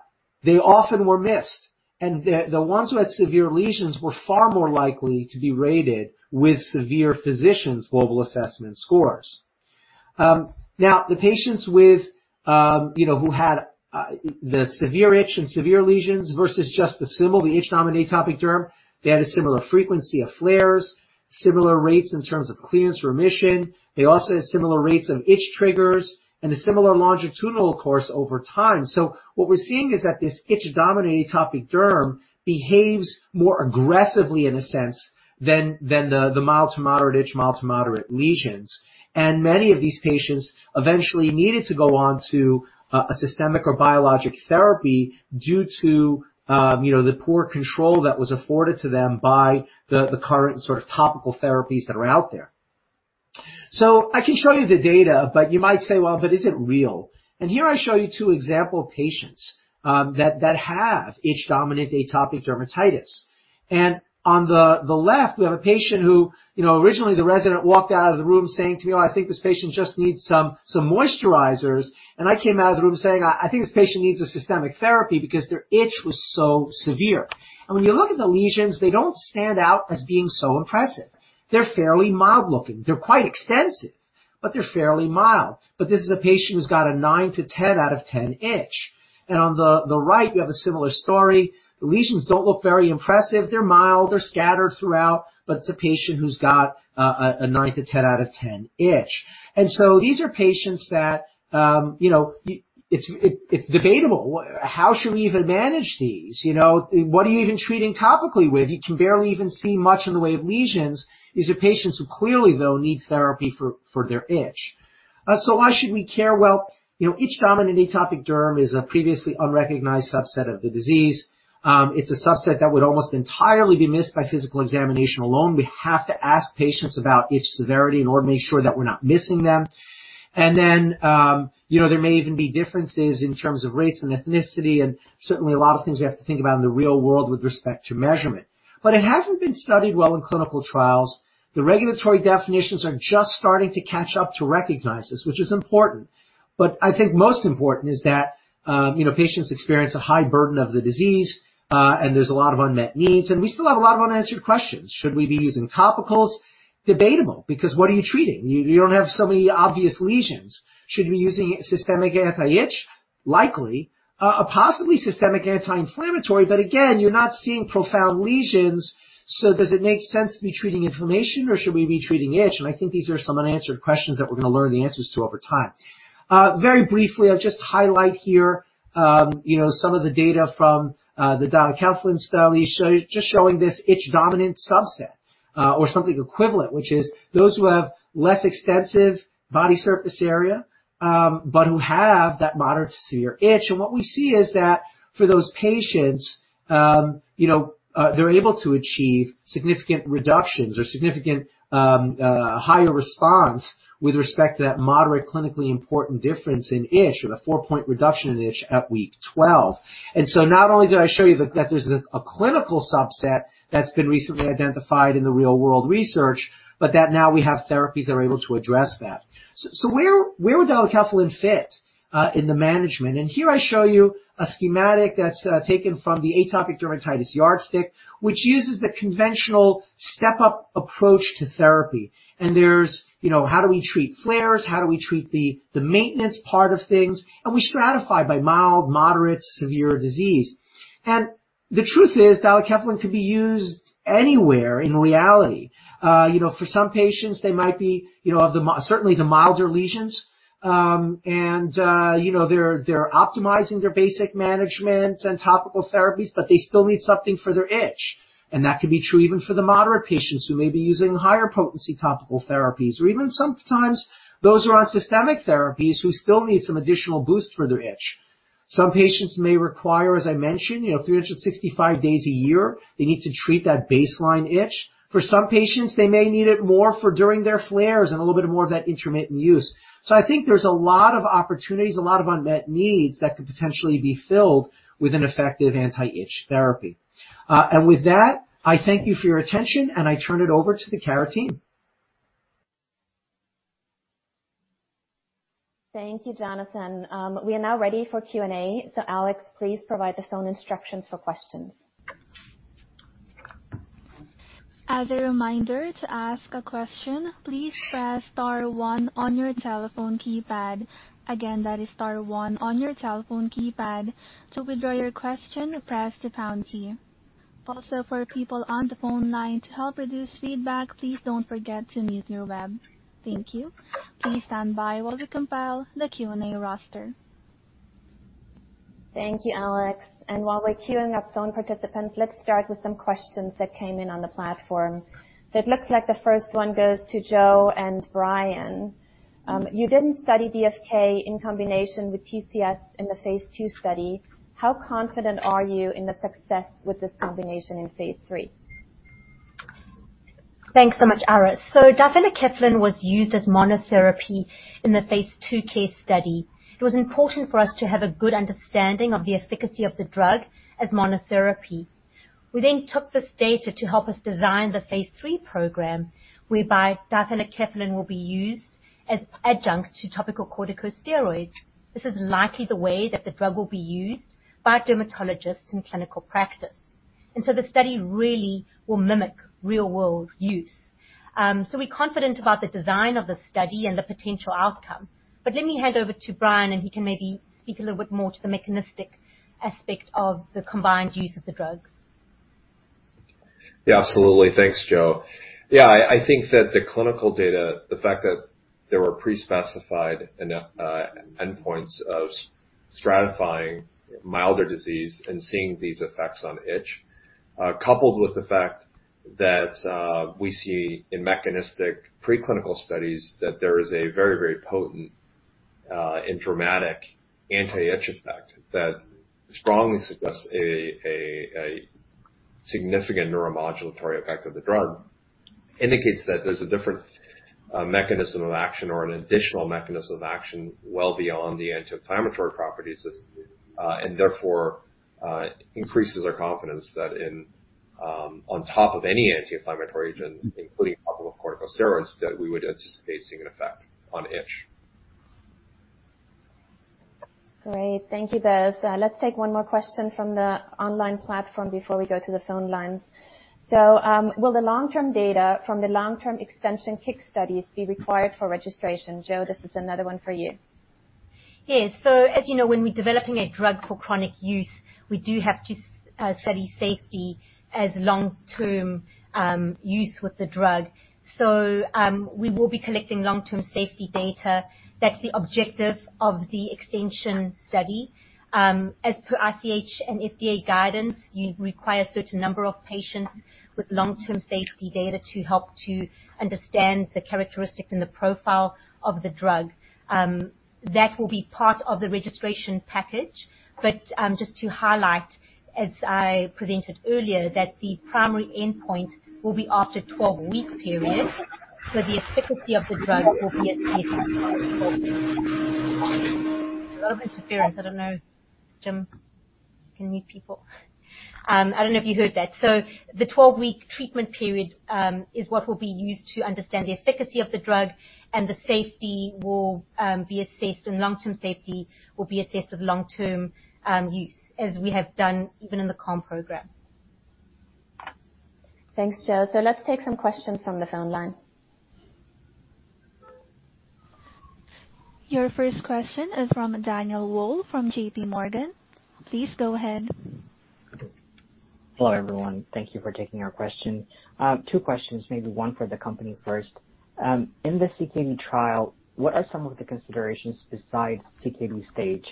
they often were missed. The ones who had severe lesions were far more likely to be rated with severe physician's global assessment scores. Now, the patients with, you know, who had the severe itch and severe lesions versus just the SIML, the itch-dominant atopic derm, they had a similar frequency of flares, similar rates in terms of clearance remission. They also had similar rates of itch triggers and a similar longitudinal course over time. What we're seeing is that this itch-dominant atopic derm behaves more aggressively in a sense than the mild to moderate itch, mild to moderate lesions. Many of these patients eventually needed to go on to a systemic or biologic therapy due to you know the poor control that was afforded to them by the current sort of topical therapies that are out there. I can show you the data, but you might say, "Well, but is it real?" Here I show you two example patients that have itch-dominant atopic dermatitis. On the left, we have a patient who, you know, originally the resident walked out of the room saying to me, "Oh, I think this patient just needs some moisturizers." I came out of the room saying, "I think this patient needs a systemic therapy because their itch was so severe." When you look at the lesions, they don't stand out as being so impressive. They're fairly mild-looking. They're quite extensive, but they're fairly mild. But this is a patient who's got a 9-10 out of 10 itch. On the right, we have a similar story. The lesions don't look very impressive. They're mild. They're scattered throughout, but it's a patient who's got a 9-10 out of 10 itch. These are patients that, you know, it's debatable. How should we even manage these? You know, what are you even treating topically with? You can barely even see much in the way of lesions. These are patients who clearly, though, need therapy for their itch. So why should we care? Well, you know, itch-dominant atopic derm is a previously unrecognized subset of the disease. It's a subset that would almost entirely be missed by physical examination alone. We have to ask patients about itch severity in order to make sure that we're not missing them. Then, you know, there may even be differences in terms of race and ethnicity, and certainly a lot of things we have to think about in the real world with respect to measurement. It hasn't been studied well in clinical trials. The regulatory definitions are just starting to catch up to recognize this, which is important. I think most important is that, you know, patients experience a high burden of the disease, and there's a lot of unmet needs, and we still have a lot of unanswered questions. Should we be using topicals? Debatable, because what are you treating? You don't have so many obvious lesions. Should we be using systemic anti-itch? Likely. Possibly systemic anti-inflammatory, but again, you're not seeing profound lesions, so does it make sense to be treating inflammation, or should we be treating itch? I think these are some unanswered questions that we're gonna learn the answers to over time. Very briefly, I'll just highlight here, you know, some of the data from the difelikefalin study just showing this itch-dominant subset or something equivalent, which is those who have less extensive body surface area but who have that moderate to severe itch. What we see is that for those patients, they're able to achieve significant reductions or significant higher response with respect to that moderate, clinically important difference in itch with a four-point reduction in itch at week 12. Not only did I show you that there's a clinical subset that's been recently identified in the real world research, but that now we have therapies that are able to address that. Where would difelikefalin fit in the management? Here I show you a schematic that's taken from the Atopic Dermatitis Yardstick, which uses the conventional step-up approach to therapy. There's you know, how do we treat flares, how do we treat the maintenance part of things, and we stratify by mild, moderate, severe disease. The truth is difelikefalin could be used anywhere in reality. You know, for some patients, they might be you know, certainly the milder lesions. You know, they're optimizing their basic management and topical therapies, but they still need something for their itch. That can be true even for the moderate patients who may be using higher potency topical therapies or even sometimes those who are on systemic therapies who still need some additional boost for their itch. Some patients may require, as I mentioned, you know, 365 days a year, they need to treat that baseline itch. For some patients, they may need it more for during their flares and a little bit more of that intermittent use. I think there's a lot of opportunities, a lot of unmet needs that could potentially be filled with an effective anti-itch therapy. With that, I thank you for your attention, and I turn it over to the Cara team. Thank you, Jonathan. We are now ready for Q&A. Alex, please provide the phone instructions for questions. As a reminder, to ask a question, please press star one on your telephone keypad. Again, that is star one on your telephone keypad. To withdraw your question, press the pound key. Also, for people on the phone line, to help reduce feedback, please don't forget to mute your web. Thank you. Please stand by while we compile the Q&A roster. Thank you, Alex. While we're queuing up phone participants, let's start with some questions that came in on the platform. It looks like the first one goes to Jo and Brian. You didn't study DFK in combination with TCS in the phase II study. How confident are you in the success with this combination in phase III? Thanks so much, Iris. Difelikefalin was used as monotherapy in the phase II KARE study. It was important for us to have a good understanding of the efficacy of the drug as monotherapy. We then took this data to help us design the phase III program, whereby difelikefalin will be used as adjunct to topical corticosteroids. This is likely the way that the drug will be used by dermatologists in clinical practice. The study really will mimic real-world use. We're confident about the design of the study and the potential outcome. Let me hand over to Brian, and he can maybe speak a little bit more to the mechanistic aspect of the combined use of the drugs. Yeah, absolutely. Thanks, Jo. Yeah, I think that the clinical data, the fact that there were pre-specified endpoints of stratifying milder disease and seeing these effects on itch, coupled with the fact that we see in mechanistic preclinical studies that there is a very, very potent and dramatic anti-itch effect that strongly suggests a significant neuromodulatory effect of the drug indicates that there's a different mechanism of action or an additional mechanism of action well beyond the anti-inflammatory properties of and therefore increases our confidence that in on top of any anti-inflammatory agent, including topical corticosteroids, that we would anticipate seeing an effect on itch. Great. Thank you, both. Let's take one more question from the online platform before we go to the phone lines. Will the long-term data from the long-term extension KICK studies be required for registration? Jo, this is another one for you. Yes. As you know, when we're developing a drug for chronic use, we do have to study safety as long-term use with the drug. We will be collecting long-term safety data. That's the objective of the extension study. As per ICH and FDA guidance, you require a certain number of patients with long-term safety data to help to understand the characteristics and the profile of the drug. That will be part of the registration package. Just to highlight, as I presented earlier, that the primary endpoint will be after 12-week period. The efficacy of the drug will be assessed. A lot of interference. I don't know, Jim, can you mute people? I don't know if you heard that. The 12-week treatment period is what will be used to understand the efficacy of the drug and the safety will be assessed and long-term safety will be assessed with long-term use, as we have done even in the CALM program. Thanks, Jo. Let's take some questions from the phone line. Your first question is from Daniel Wolle from JPMorgan. Please go ahead. Hello, everyone. Thank you for taking our question. Two questions, maybe one for the company first. In the CKD trial, what are some of the considerations besides CKD stage,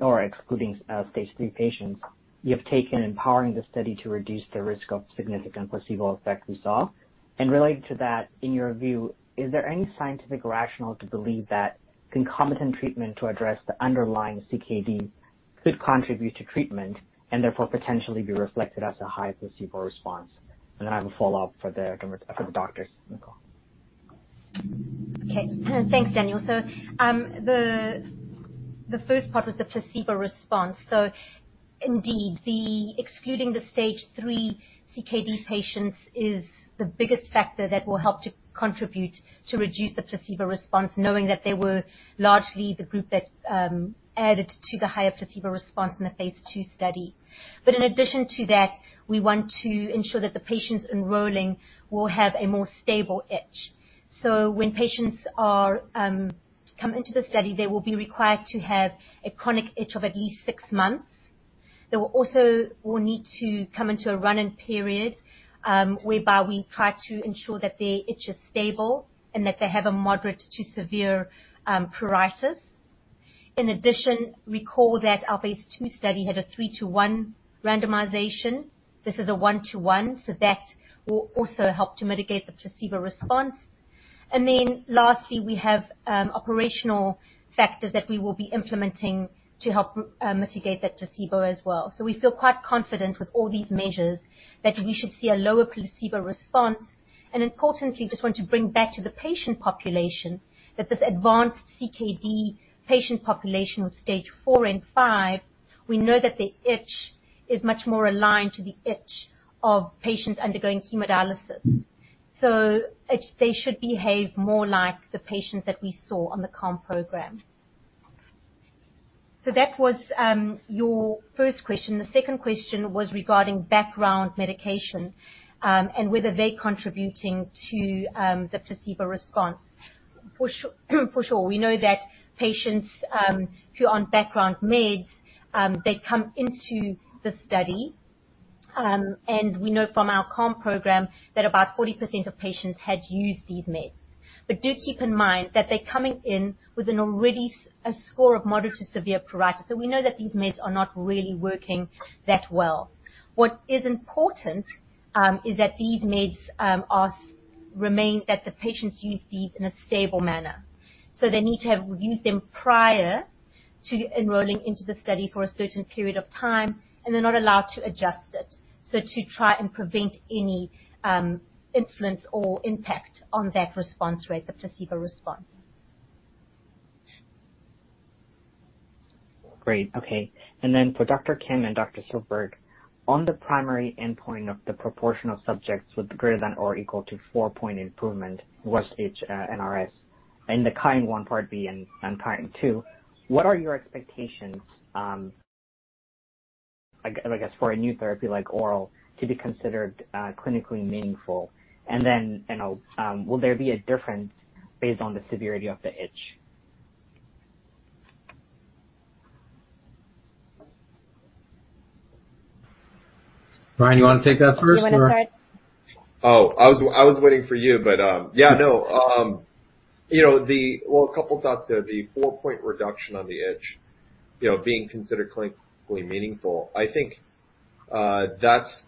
or excluding stage 3 patients you have taken in powering the study to reduce the risk of significant placebo effect you saw? Related to that, in your view, is there any scientific rationale to believe that concomitant treatment to address the underlying CKD could contribute to treatment and therefore potentially be reflected as a high placebo response? I have a follow-up for the doctors on the call. Okay. Thanks, Daniel. The first part was the placebo response. Indeed, excluding the stage 3 CKD patients is the biggest factor that will help to contribute to reduce the placebo response, knowing that they were largely the group that added to the higher placebo response in the phase II study. In addition to that, we want to ensure that the patients enrolling will have a more stable itch. When patients come into the study, they will be required to have a chronic itch of at least six months. They will also need to come into a run-in period, whereby we try to ensure that their itch is stable and that they have a moderate to severe pruritus. In addition, recall that our phase II study had a 3-to-1 randomization. This is a 1-to-1, so that will also help to mitigate the placebo response. We have operational factors that we will be implementing to help mitigate that placebo as well. We feel quite confident with all these measures that we should see a lower placebo response. Importantly, just want to bring back to the patient population that this advanced CKD patient population with stage 4 and 5, we know that their itch is much more aligned to the itch of patients undergoing hemodialysis. They should behave more like the patients that we saw on the CALM program. That was your first question. The second question was regarding background medication and whether they're contributing to the placebo response. For sure, we know that patients who are on background meds they come into the study and we know from our CALM program that about 40% of patients had used these meds. Do keep in mind that they're coming in with a score of moderate to severe pruritus. We know that these meds are not really working that well. What is important is that these meds remain that the patients use these in a stable manner. They need to have used them prior to enrolling into the study for a certain period of time, and they're not allowed to adjust it. To try and prevent any influence or impact on that response rate, the placebo response. Great. Okay. For Dr. Kim and Dr. Silverberg, on the primary endpoint of the proportion of subjects with greater than or equal to four-point improvement, worst itch NRS in the KIND 1 part B and KIND 2, what are your expectations, I guess, for a new therapy like oral to be considered clinically meaningful? Will there be a difference based on the severity of the itch? Brian, you wanna take that first or You wanna start? Oh, I was waiting for you, but yeah, no. You know, well, a couple thoughts there. The four-point reduction on the itch, you know, being considered clinically meaningful. I think that's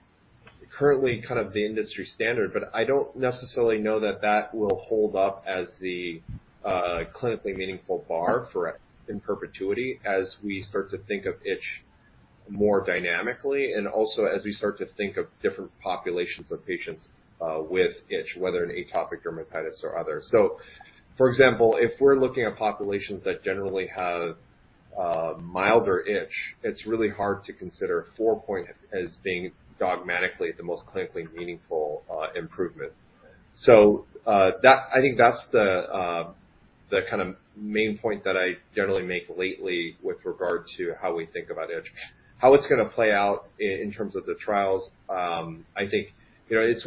currently kind of the industry standard, but I don't necessarily know that will hold up as the clinically meaningful bar for in perpetuity as we start to think of itch more dynamically and also as we start to think of different populations of patients with itch, whether in atopic dermatitis or other. For example, if we're looking at populations that generally have a milder itch, it's really hard to consider four-point as being dogmatically the most clinically meaningful improvement. That, I think that's the kind of main point that I generally make lately with regard to how we think about itch. How it's gonna play out in terms of the trials, I think, it's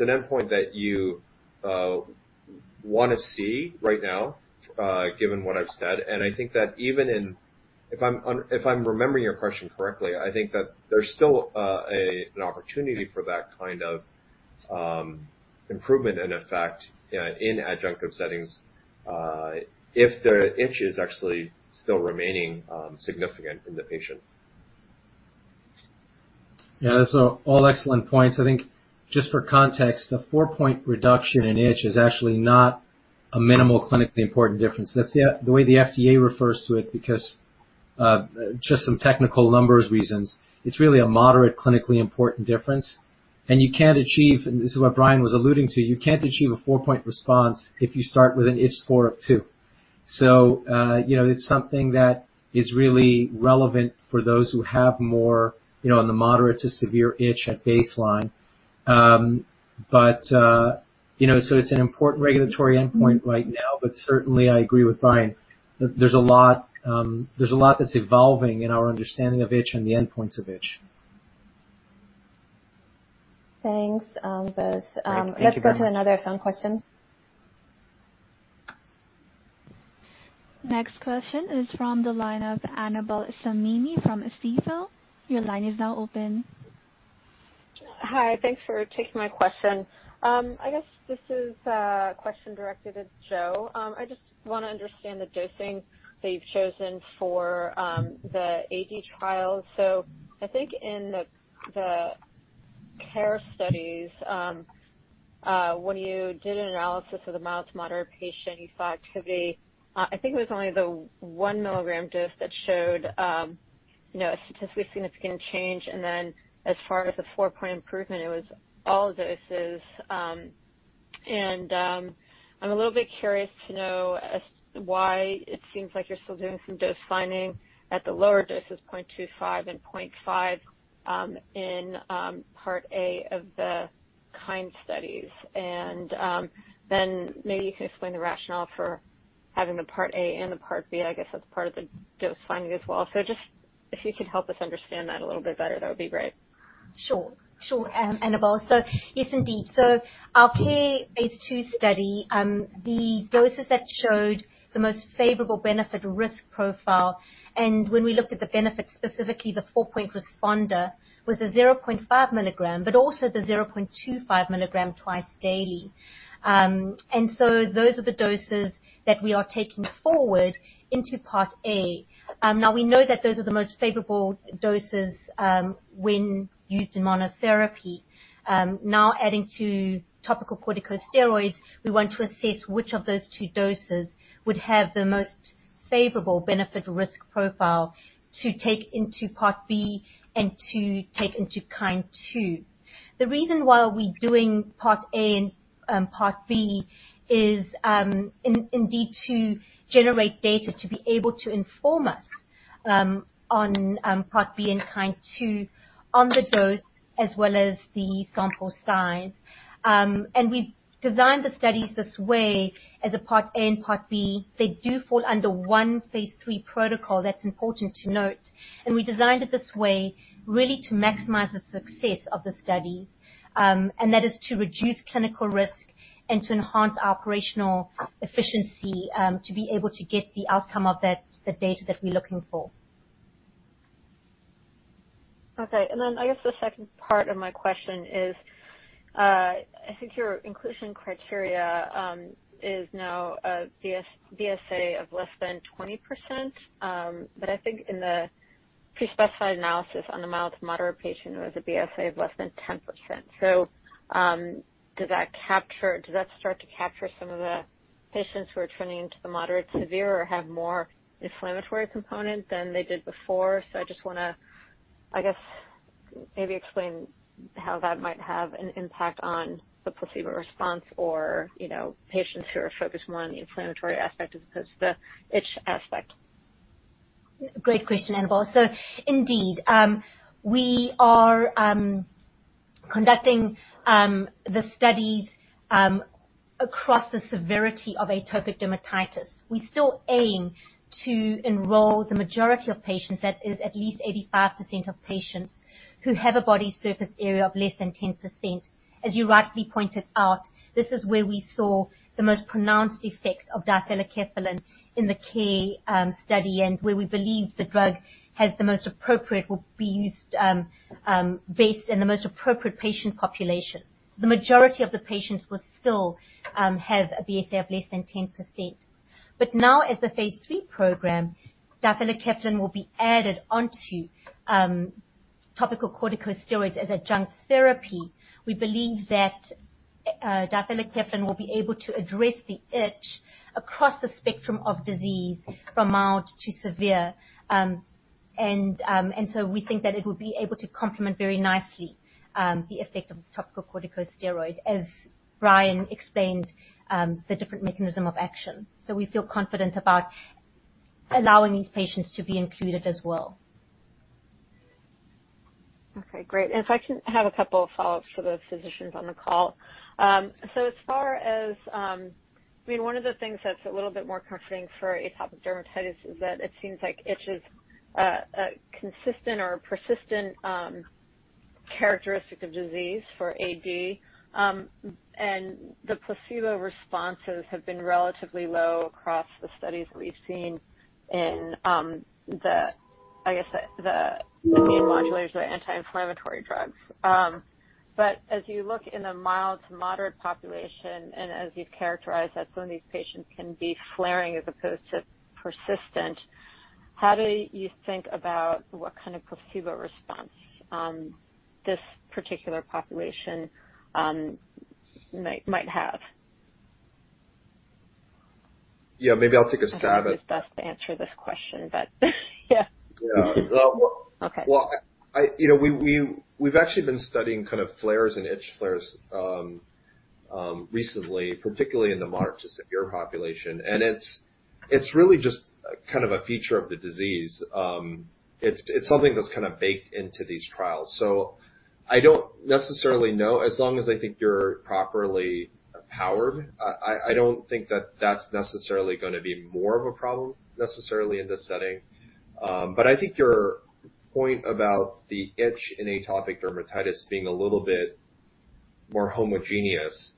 an endpoint that you wanna see right now, given what I've said. I think that even if I'm remembering your question correctly, I think that there's still an opportunity for that kind of improvement and effect in adjunctive settings if the itch is actually still remaining significant in the patient. Yeah, those are all excellent points. I think just for context, the four-point reduction in itch is actually not a minimal clinically important difference. That's the way the FDA refers to it because just some technical numbers reasons. It's really a moderate clinically important difference. You can't achieve, and this is what Brian was alluding to, you can't achieve a four-point response if you start with an itch score of two. You know, it's something that is really relevant for those who have more, you know, on the moderate to severe itch at baseline. You know, it's an important regulatory endpoint right now. But certainly, I agree with Brian. There's a lot that's evolving in our understanding of itch and the endpoints of itch. Thanks, both. Thank you very much. Let's go to another phone question. Next question is from the line of Annabel Samimy from Stifel. Your line is now open. Hi. Thanks for taking my question. I guess this is a question directed at Jo. I just want to understand the dosing that you've chosen for the AD trial. I think in the KARE studies, when you did an analysis of the mild-to-moderate patient efficacy, I think it was only the 1 mg dose that showed, you know, a statistically significant change. As far as the four-point improvement, it was all doses. I'm a little bit curious to know why it seems like you're still doing some dose finding at the lower doses 0.25 mg and 0.5 mg in part A of the KIND studies. Maybe you can explain the rationale for having the part A and the part B. I guess that's part of the dose finding as well. Just if you could help us understand that a little bit better, that would be great. Sure, Annabel. Our KARE phase II study, the doses that showed the most favorable benefit-risk profile, and when we looked at the benefit, specifically the four-point responder, was the 0.5 mg, but also the 0.25 mg twice daily. Those are the doses that we are taking forward into part A. Now we know that those are the most favorable doses, when used in monotherapy. Now, adding to topical corticosteroids, we want to assess which of those two doses would have the most favorable benefit-risk profile to take into part B and to take into KIND 2. The reason why we doing part A and part B is indeed to generate data to be able to inform us on part B and KIND 2 on the dose as well as the sample size. We designed the studies this way as a part A and part B. They do fall under one phase III protocol. That's important to note. We designed it this way really to maximize the success of the study. That is to reduce clinical risk and to enhance operational efficiency to be able to get the outcome of that, the data that we're looking for. Okay. I guess the second part of my question is, I think your inclusion criteria is now a BSA of less than 20%. But I think in the pre-specified analysis on the mild-to-moderate patient was a BSA of less than 10%. Does that start to capture some of the patients who are trending to the moderate severe or have more inflammatory component than they did before? I just wanna, I guess, maybe explain how that might have an impact on the placebo response or, you know, patients who are focused more on the inflammatory aspect as opposed to the itch aspect. Great question, Annabel. Indeed, we are conducting the studies across the severity of atopic dermatitis. We still aim to enroll the majority of patients, that is at least 85% of patients, who have a body surface area of less than 10%. As you rightly pointed out, this is where we saw the most pronounced effect of difelikefalin in the KARE study and where we believe the drug will be used most appropriately in the most appropriate patient population. The majority of the patients will still have a BSA of less than 10%. Now as the phase III program, difelikefalin will be added onto topical corticosteroids as adjunct therapy. We believe that difelikefalin will be able to address the itch across the spectrum of disease from mild to severe. We think that it will be able to complement very nicely the effect of the topical corticosteroid, as Brian explained, the different mechanism of action. We feel confident about allowing these patients to be included as well. Okay, great. If I can have a couple of follow-ups for the physicians on the call. As far as, I mean, one of the things that's a little bit more comforting for atopic dermatitis is that it seems like itch is a consistent or persistent characteristic of disease for AD. The placebo responses have been relatively low across the studies we've seen in the immune modulators or anti-inflammatory drugs. But as you look in a mild-to-moderate population, and as you've characterized that some of these patients can be flaring as opposed to persistent, how do you think about what kind of placebo response this particular population might have? Yeah, maybe I'll take a stab at. I think he's best to answer this question, but yeah. Yeah. Okay. You know, we've actually been studying kind of flares and itch flares recently, particularly in the moderate to severe population. It's really just a kind of a feature of the disease. It's something that's kinda baked into these trials. I don't necessarily know as long as I think you're properly powered. I don't think that's necessarily gonna be more of a problem necessarily in this setting. I think your point about the itch in atopic dermatitis being a little bit more homogeneous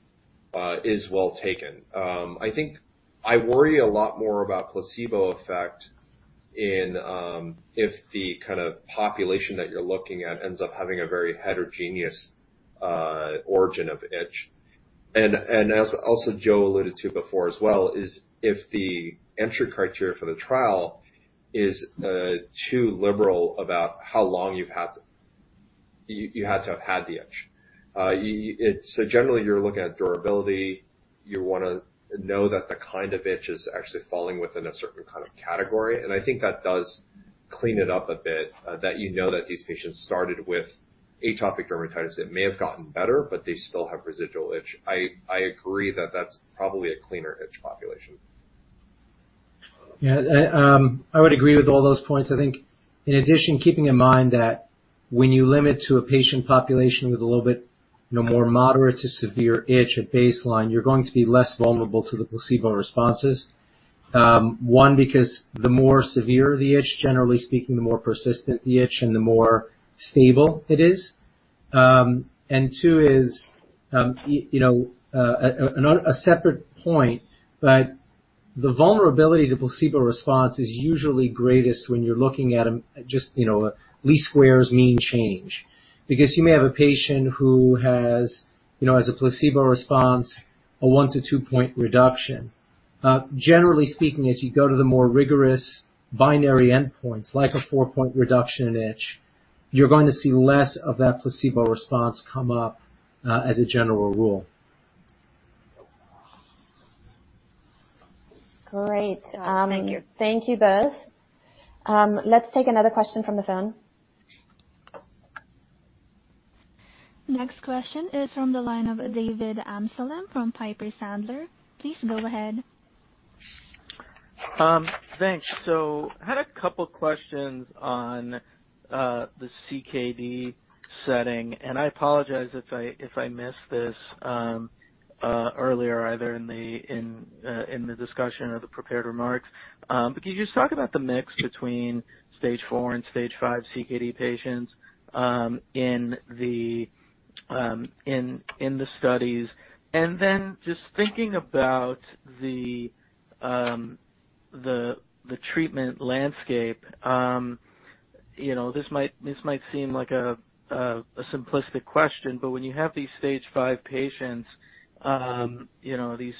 is well taken. I think I worry a lot more about placebo effect in if the kind of population that you're looking at ends up having a very heterogeneous origin of itch. As also Jo alluded to before as well, is if the entry criteria for the trial is too liberal about how long you had to have had the itch. Generally, you're looking at durability. You wanna know that the kind of itch is actually falling within a certain kind of category. I think that does clean it up a bit, that you know that these patients started with atopic dermatitis. It may have gotten better, but they still have residual itch. I agree that that's probably a cleaner itch population. Yeah. I would agree with all those points. I think in addition, keeping in mind that when you limit to a patient population with a little bit, you know, more moderate to severe itch at baseline, you're going to be less vulnerable to the placebo responses. One, because the more severe the itch, generally speaking, the more persistent the itch and the more stable it is. Two is, you know, a separate point, but the vulnerability to placebo response is usually greatest when you're looking at, just, you know, least squares mean change. Because you may have a patient who has, you know, as a placebo response, a one to two-point reduction. Generally speaking, as you go to the more rigorous binary endpoints, like a four-point reduction in itch, you're going to see less of that placebo response come up, as a general rule. Great. Thank you. Thank you both. Let's take another question from the phone. Next question is from the line of David Amsellem from Piper Sandler. Please go ahead. Thanks. I had a couple questions on the CKD setting, and I apologize if I missed this earlier, either in the discussion or the prepared remarks. Could you just talk about the mix between stage 4 and stage 5 CKD patients in the studies? Just thinking about the treatment landscape, you know, this might seem like a simplistic question, but when you have these stage 5 patients, you know, these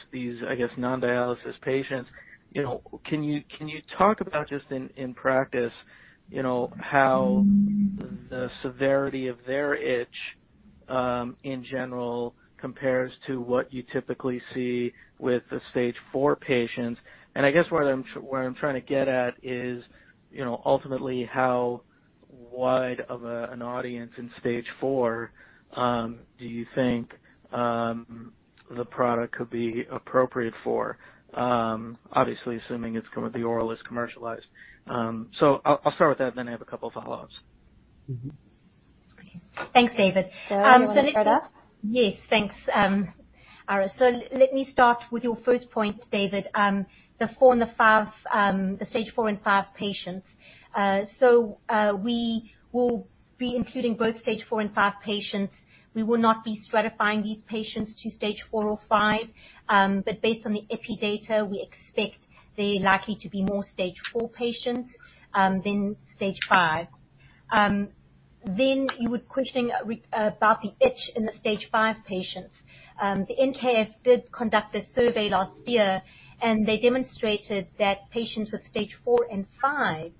I guess non-dialysis patients, you know, can you talk about just in practice, you know, how the severity of their itch in general compares to what you typically see with the stage 4 patients? I guess where I'm trying to get at is, you know, ultimately, how wide of an audience in stage 4 do you think the product could be appropriate for? Obviously assuming it's, the oral is commercialized. I'll start with that, and then I have a couple of follow-ups. Mm-hmm. Okay. Thanks, David. Jo, you wanna start off? Yes. Thanks, Iris. Let me start with your first point, David. The four and the five, the stage 4 and stage 5 patients. We will be including both stage 4 and 5 patients. We will not be stratifying these patients to stage 4 or five. Based on the epi data, we expect they're likely to be more stage 4 patients than stage 5. You were questioning about the itch in the stage 5 patients. The NKF did conduct a survey last year, and they demonstrated that patients with stage 4 and five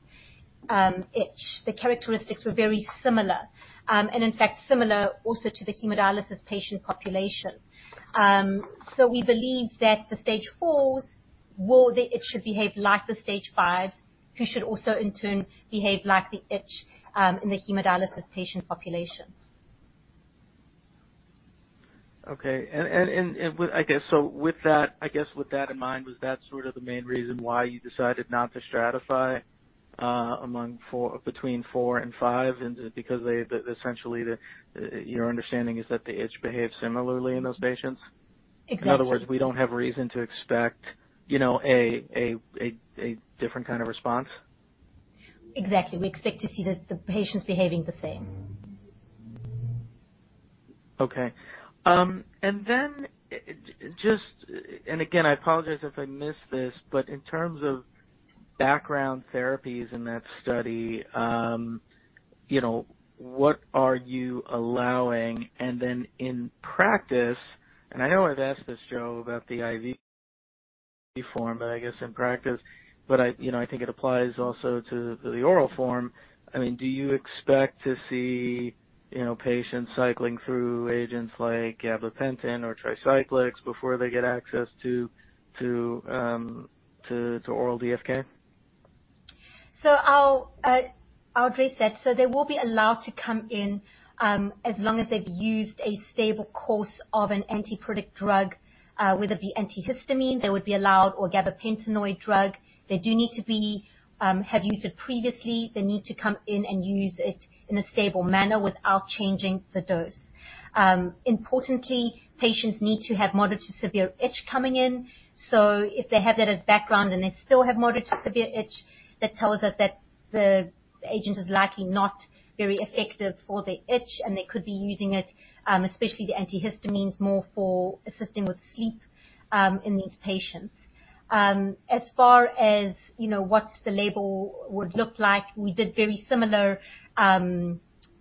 itch, the characteristics were very similar. In fact, similar also to the hemodialysis patient population. We believe that the stage 4s will... The itch should behave like the stage 5s, who should also, in turn, behave like the itch in the hemodialysis patient populations. Okay. I guess with that in mind, was that sort of the main reason why you decided not to stratify between four and five because essentially your understanding is that the itch behaves similarly in those patients? Exactly. In other words, we don't have reason to expect, you know, a different kind of response? Exactly. We expect to see the patients behaving the same. Okay. Just, again, I apologize if I missed this, but in terms of background therapies in that study, you know, what are you allowing? In practice, I know I've asked this, Jo, about the IV form, but I guess in practice, you know, I think it applies also to the oral form. I mean, do you expect to see, you know, patients cycling through agents like gabapentin or tricyclics before they get access to oral DFK? I'll address that. They will be allowed to come in as long as they've used a stable course of an antipruritic drug, whether it be antihistamine or gabapentinoid drug. They do need to have used it previously. They need to come in and use it in a stable manner without changing the dose. Importantly, patients need to have moderate to severe itch coming in. If they have that as background and they still have moderate to severe itch, that tells us that the agent is likely not very effective for the itch, and they could be using it, especially the antihistamines, more for assisting with sleep in these patients. As far as, you know, what the label would look like, we did very similar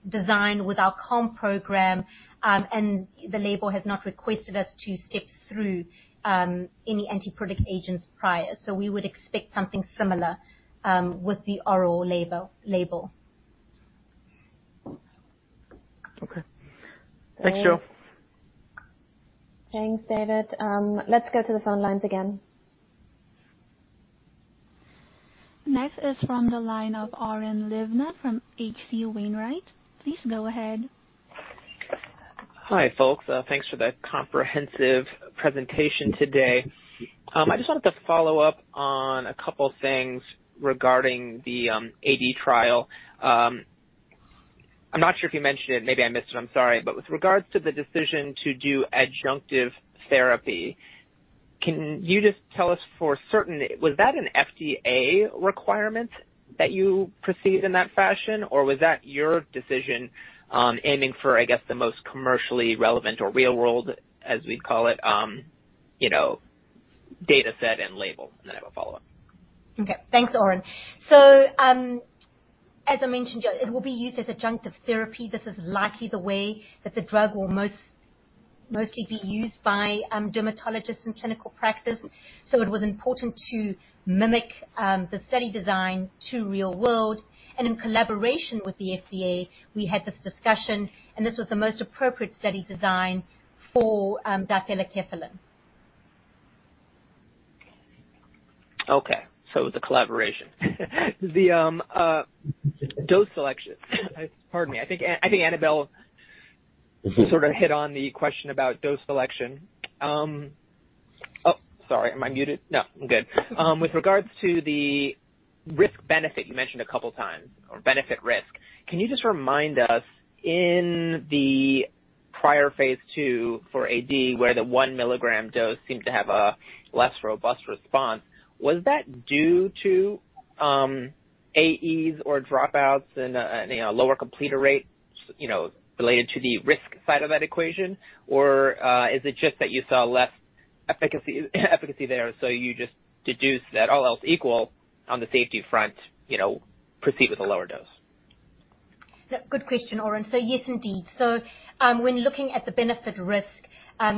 design with our CALM program, and the label has not requested us to step through any antipruritic agents prior. We would expect something similar with the oral label. Okay. Thanks, Jo. Thanks, David. Let's go to the phone lines again. Next is from the line of Oren Livnat from H.C. Wainwright. Please go ahead. Hi, folks. Thanks for the comprehensive presentation today. I just wanted to follow up on a couple of things regarding the AD trial. I'm not sure if you mentioned it. Maybe I missed it. I'm sorry. With regards to the decision to do adjunctive therapy, can you just tell us for certain, was that an FDA requirement that you proceed in that fashion, or was that your decision, aiming for, I guess, the most commercially relevant or real-world, as we'd call it, you know, data set and label? And then I have a follow-up. Okay. Thanks, Oren. As I mentioned, it will be used as adjunctive therapy. This is likely the way that the drug will mostly be used by dermatologists in clinical practice. It was important to mimic the study design to real world. In collaboration with the FDA, we had this discussion, and this was the most appropriate study design for difelikefalin. Okay. It was a collaboration. The dose selection. Pardon me. I think Annabel sort of hit the question about dose selection. Mm-hmm. With regards to the risk-benefit you mentioned a couple times or benefit-risk, can you just remind us in the prior phase II for AD, where the 1 mg dose seemed to have a less robust response, was that due to AEs or dropouts and lower completer rates related to the risk side of that equation? Or is it just that you saw less efficacy there, so you just deduced that all else equal on the safety front, you know, proceed with a lower dose? Good question, Oren. Yes, indeed. When looking at the benefit-risk,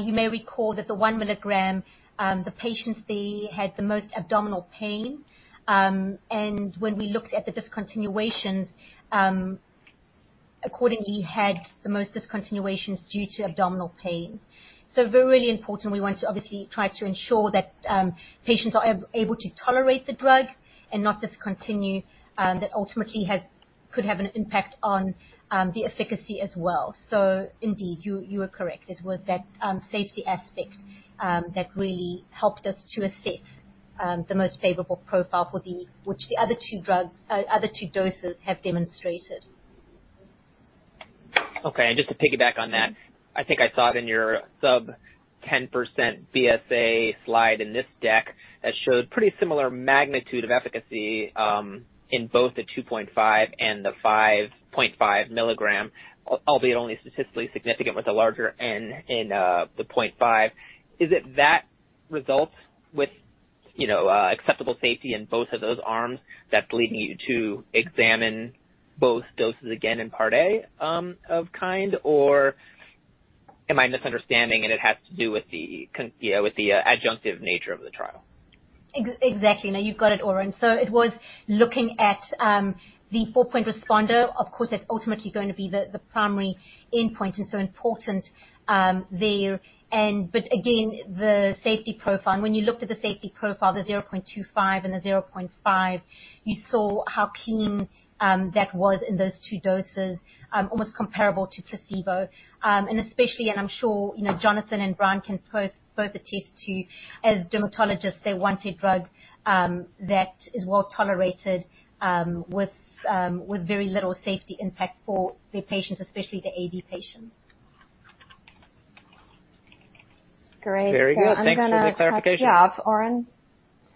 you may recall that the 1 mg, the patients they had the most abdominal pain. When we looked at the discontinuations, accordingly had the most discontinuations due to abdominal pain. Very important, we want to obviously try to ensure that patients are able to tolerate the drug and not discontinue, that ultimately could have an impact on the efficacy as well. Indeed, you are correct. It was that safety aspect that really helped us to assess the most favorable profile for the which the other two drugs, other two doses have demonstrated. Okay. Just to piggyback on that, I think I saw it in your sub-10% BSA slide in this deck that showed pretty similar magnitude of efficacy in both the 0.25 mg and the 0.5 mg, albeit only statistically significant with a larger N in the 0.5 mg. Is it that result with, you know, acceptable safety in both of those arms that's leading you to examine both doses again in Part A of KIND? Or am I misunderstanding, and it has to do with the context, you know, with the adjunctive nature of the trial? Exactly. No, you've got it, Oren. It was looking at the four-point responder. Of course, that's ultimately going to be the primary endpoint and so important there. Again, the safety profile. When you looked at the safety profile, the 0.25 mg and the 0.5 mg, you saw how clean that was in those two doses, almost comparable to placebo. Especially, I'm sure you know, Jonathan and Brian can both attest to, as dermatologists, they want a drug that is well-tolerated with very little safety impact for their patients, especially the AD patients. Great. Very good. Thanks for the clarification. I'm gonna cut you off, Oren.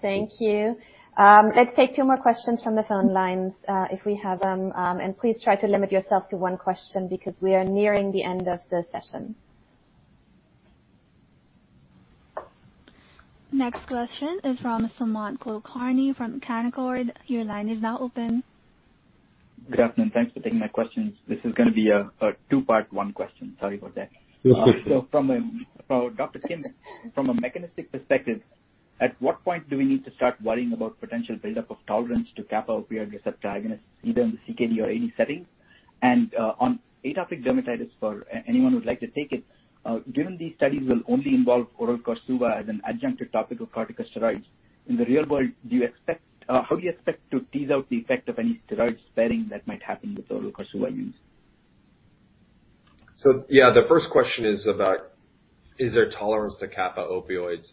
Thank you. Let's take two more questions from the phone lines, if we have them. Please try to limit yourself to one question because we are nearing the end of the session. Next question is from Sumant Kulkarni from Canaccord. Your line is now open. Good afternoon. Thanks for taking my questions. This is gonna be a two-part one question. Sorry about that. For Dr. Kim, from a mechanistic perspective, at what point do we need to start worrying about potential buildup of tolerance to kappa opioid receptor agonists either in the CKD or AD settings? And on atopic dermatitis, for anyone who would like to take it, given these studies will only involve oral KORSUVA as an adjunctive topical corticosteroids, in the real world, how do you expect to tease out the effect of any steroid sparing that might happen with oral KORSUVA use? Yeah, the first question is about is there tolerance to kappa opioids.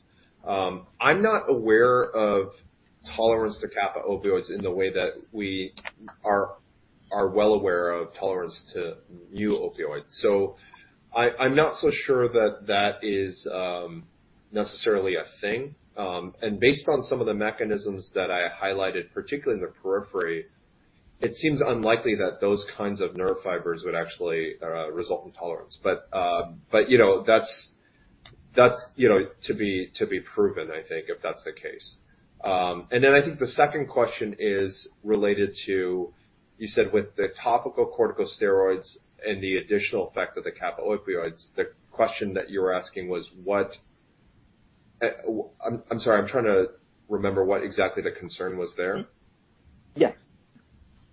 I'm not aware of tolerance to kappa opioids in the way that we are well aware of tolerance to mu opioids. I'm not so sure that that is necessarily a thing. Based on some of the mechanisms that I highlighted, particularly in the periphery, it seems unlikely that those kinds of nerve fibers would actually result in tolerance. But you know, that's you know, to be proven, I think, if that's the case. I think the second question is related to. You said with the topical corticosteroids and the additional effect of the kappa opioids, the question that you're asking was what. I'm sorry, I'm trying to remember what exactly the concern was there. Yes.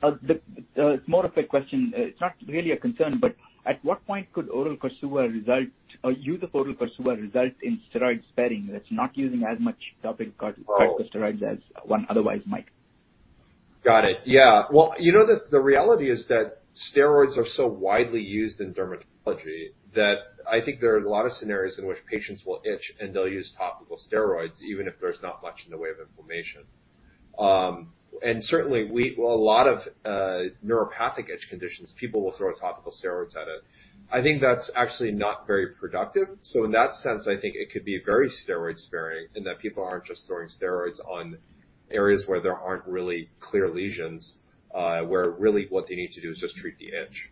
It's more of a question. It's not really a concern, but at what point could use of oral KORSUVA result in steroid sparing? That's not using as much topical corticosteroids as one otherwise might. Got it. Yeah. Well, you know that the reality is that steroids are so widely used in dermatology that I think there are a lot of scenarios in which patients will itch and they'll use topical steroids, even if there's not much in the way of inflammation. Certainly a lot of neuropathic itch conditions, people will throw topical steroids at it. I think that's actually not very productive. In that sense, I think it could be very steroid sparing in that people aren't just throwing steroids on areas where there aren't really clear lesions, where really what they need to do is just treat the itch.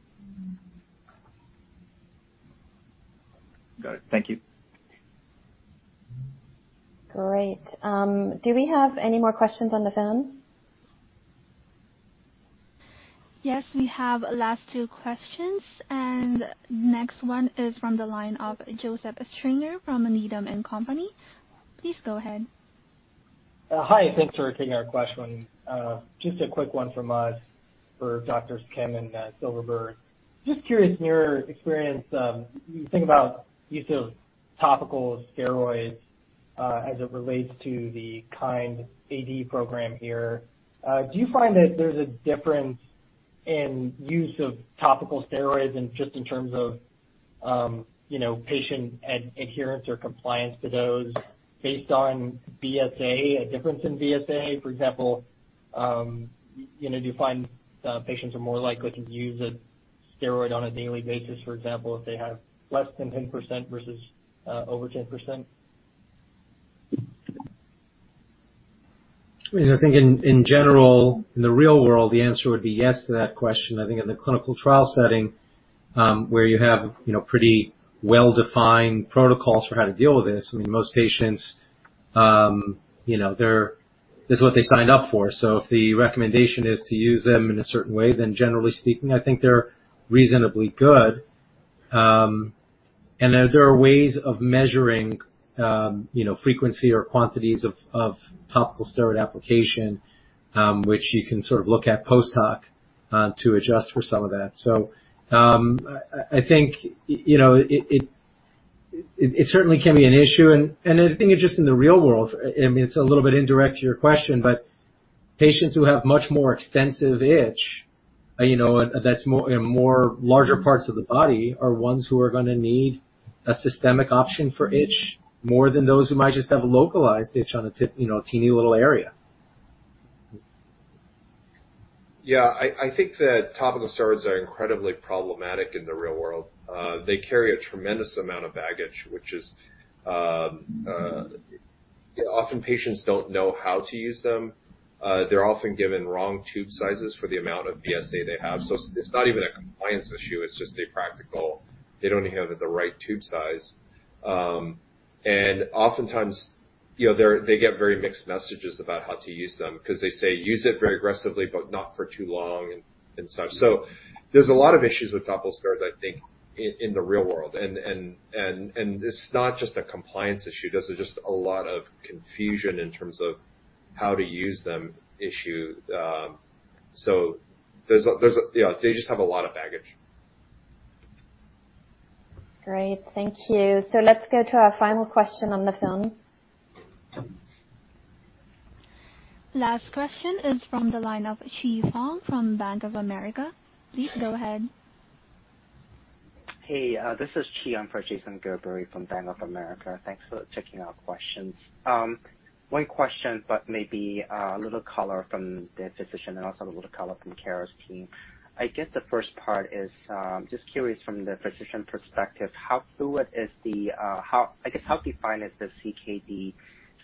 Got it. Thank you. Great. Do we have any more questions on the phone? Yes, we have last two questions, and next one is from the line of Joseph Stringer from Needham & Company. Please go ahead. Hi. Thanks for taking our question. Just a quick one from us for Doctors Kim and Silverberg. Just curious in your experience, you think about use of topical steroids as it relates to the KIND AD program here. Do you find that there's a difference in use of topical steroids and just in terms of, you know, patient adherence or compliance to those based on BSA, a difference in BSA, for example. You know, do you find patients are more likely to use a steroid on a daily basis, for example, if they have less than 10% versus over 10%? I mean, I think in general, in the real world, the answer would be yes to that question. I think in the clinical trial setting, where you have, you know, pretty well-defined protocols for how to deal with this, I mean, most patients, you know, they're. This is what they signed up for. If the recommendation is to use them in a certain way, then generally speaking, I think they're reasonably good. There are ways of measuring, you know, frequency or quantities of topical steroid application, which you can sort of look at post-hoc to adjust for some of that. I think you know, it certainly can be an issue. I think it's just in the real world, I mean, it's a little bit indirect to your question, but patients who have much more extensive itch, you know, and that's in much larger parts of the body, are ones who are gonna need a systemic option for itch more than those who might just have a localized itch on a, you know, a teeny little area. Yeah. I think that topical steroids are incredibly problematic in the real world. They carry a tremendous amount of baggage, which is often patients don't know how to use them. They're often given wrong tube sizes for the amount of BSA they have. It's not even a compliance issue, it's just a practical. They don't have the right tube size. Oftentimes, you know, they get very mixed messages about how to use them because they say, "Use it very aggressively, but not for too long," and such. There's a lot of issues with topical steroids, I think, in the real world. It's not just a compliance issue. There's just a lot of confusion in terms of how to use them issue. There's a... Yeah, they just have a lot of baggage. Great. Thank you. Let's go to our final question on the phone. Last question is from the line of Chi Fong from Bank of America. Please go ahead. Hey, this is Chi on for Jason Gerberry from Bank of America. Thanks for taking our questions. One question, but maybe a little color from the physician and also a little color from Cara's team. I guess the first part is just curious from the physician perspective, how defined is the CKD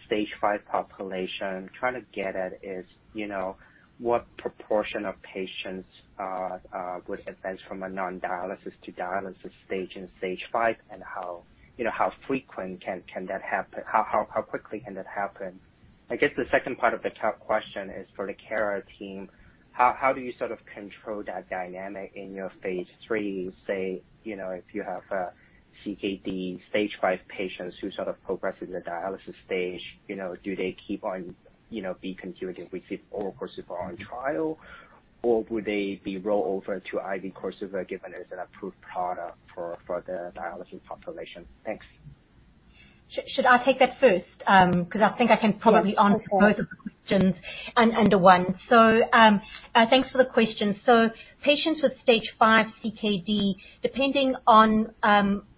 stage 5 population. Trying to get at is, you know, what proportion of patients would advance from a non-dialysis to dialysis stage in stage 5 and how, you know, how frequently that can happen, how quickly can that happen. I guess the second part of the top question is for the Cara team. How do you sort of control that dynamic in your phase III. Say, if you have CKD stage 5 patients who sort of progress in their dialysis stage, do they keep on be continued and receive oral KORSUVA in trial, or would they be rolled over to IV KORSUVA given as an approved product for the dialysis population? Thanks. Should I take that first? 'Cause I think I can probably answer. Yeah, please go on. Both of the questions under one. Thanks for the question. Patients with stage 5 CKD, depending on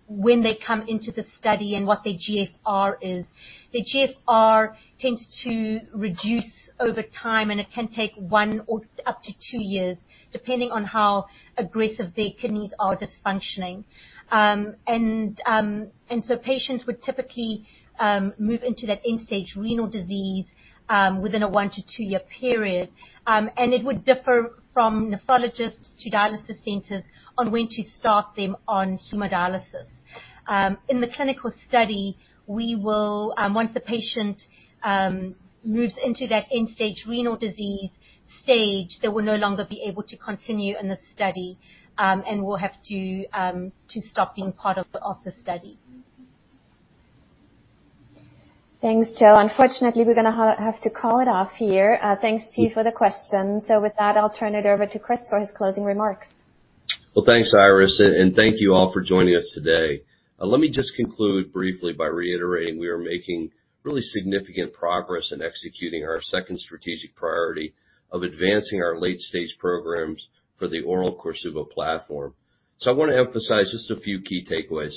when they come into the study and what their GFR is, the GFR tends to reduce over time, and it can take one or up to two years, depending on how aggressive their kidneys are dysfunctioning. Patients would typically move into that end-stage renal disease within a one to two-year period. It would differ from nephrologists to dialysis centers on when to start them on hemodialysis. In the clinical study, once the patient moves into that end-stage renal disease stage, they will no longer be able to continue in the study and will have to stop being part of the study. Thanks, Jo. Unfortunately, we're gonna have to call it off here. Thanks to you for the questions. With that, I'll turn it over to Chris for his closing remarks. Well, thanks, Iris, and thank you all for joining us today. Let me just conclude briefly by reiterating we are making really significant progress in executing our second strategic priority of advancing our late-stage programs for the oral KORSUVA platform. I wanna emphasize just a few key takeaways.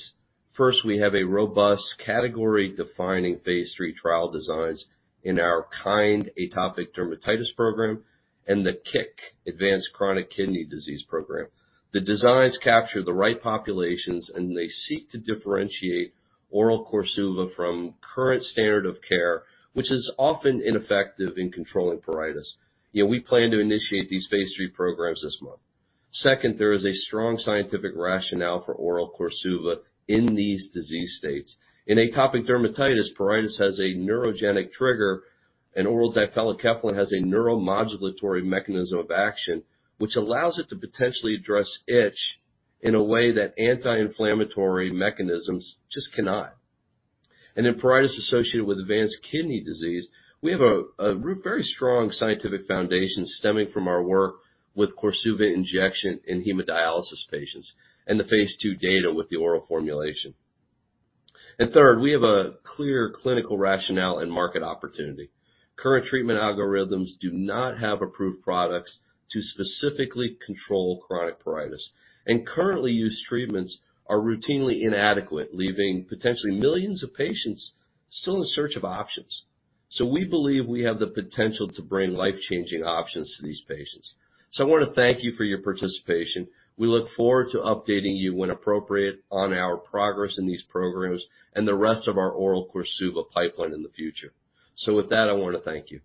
First, we have a robust category-defining phase III trial designs in our KIND atopic dermatitis program and the KICK advanced chronic kidney disease program. The designs capture the right populations, and they seek to differentiate oral KORSUVA from current standard of care, which is often ineffective in controlling pruritus. You know, we plan to initiate these phase III programs this month. Second, there is a strong scientific rationale for oral KORSUVA in these disease states. In atopic dermatitis, pruritus has a neurogenic trigger, and oral difelikefalin has a neuromodulatory mechanism of action, which allows it to potentially address itch in a way that anti-inflammatory mechanisms just cannot. In pruritus associated with advanced kidney disease, we have a very strong scientific foundation stemming from our work with KORSUVA injection in hemodialysis patients and the phase II data with the oral formulation. Third, we have a clear clinical rationale and market opportunity. Current treatment algorithms do not have approved products to specifically control chronic pruritus, and currently used treatments are routinely inadequate, leaving potentially millions of patients still in search of options. We believe we have the potential to bring life-changing options to these patients. I wanna thank you for your participation. We look forward to updating you when appropriate on our progress in these programs and the rest of our oral KORSUVA pipeline in the future. With that, I wanna thank you.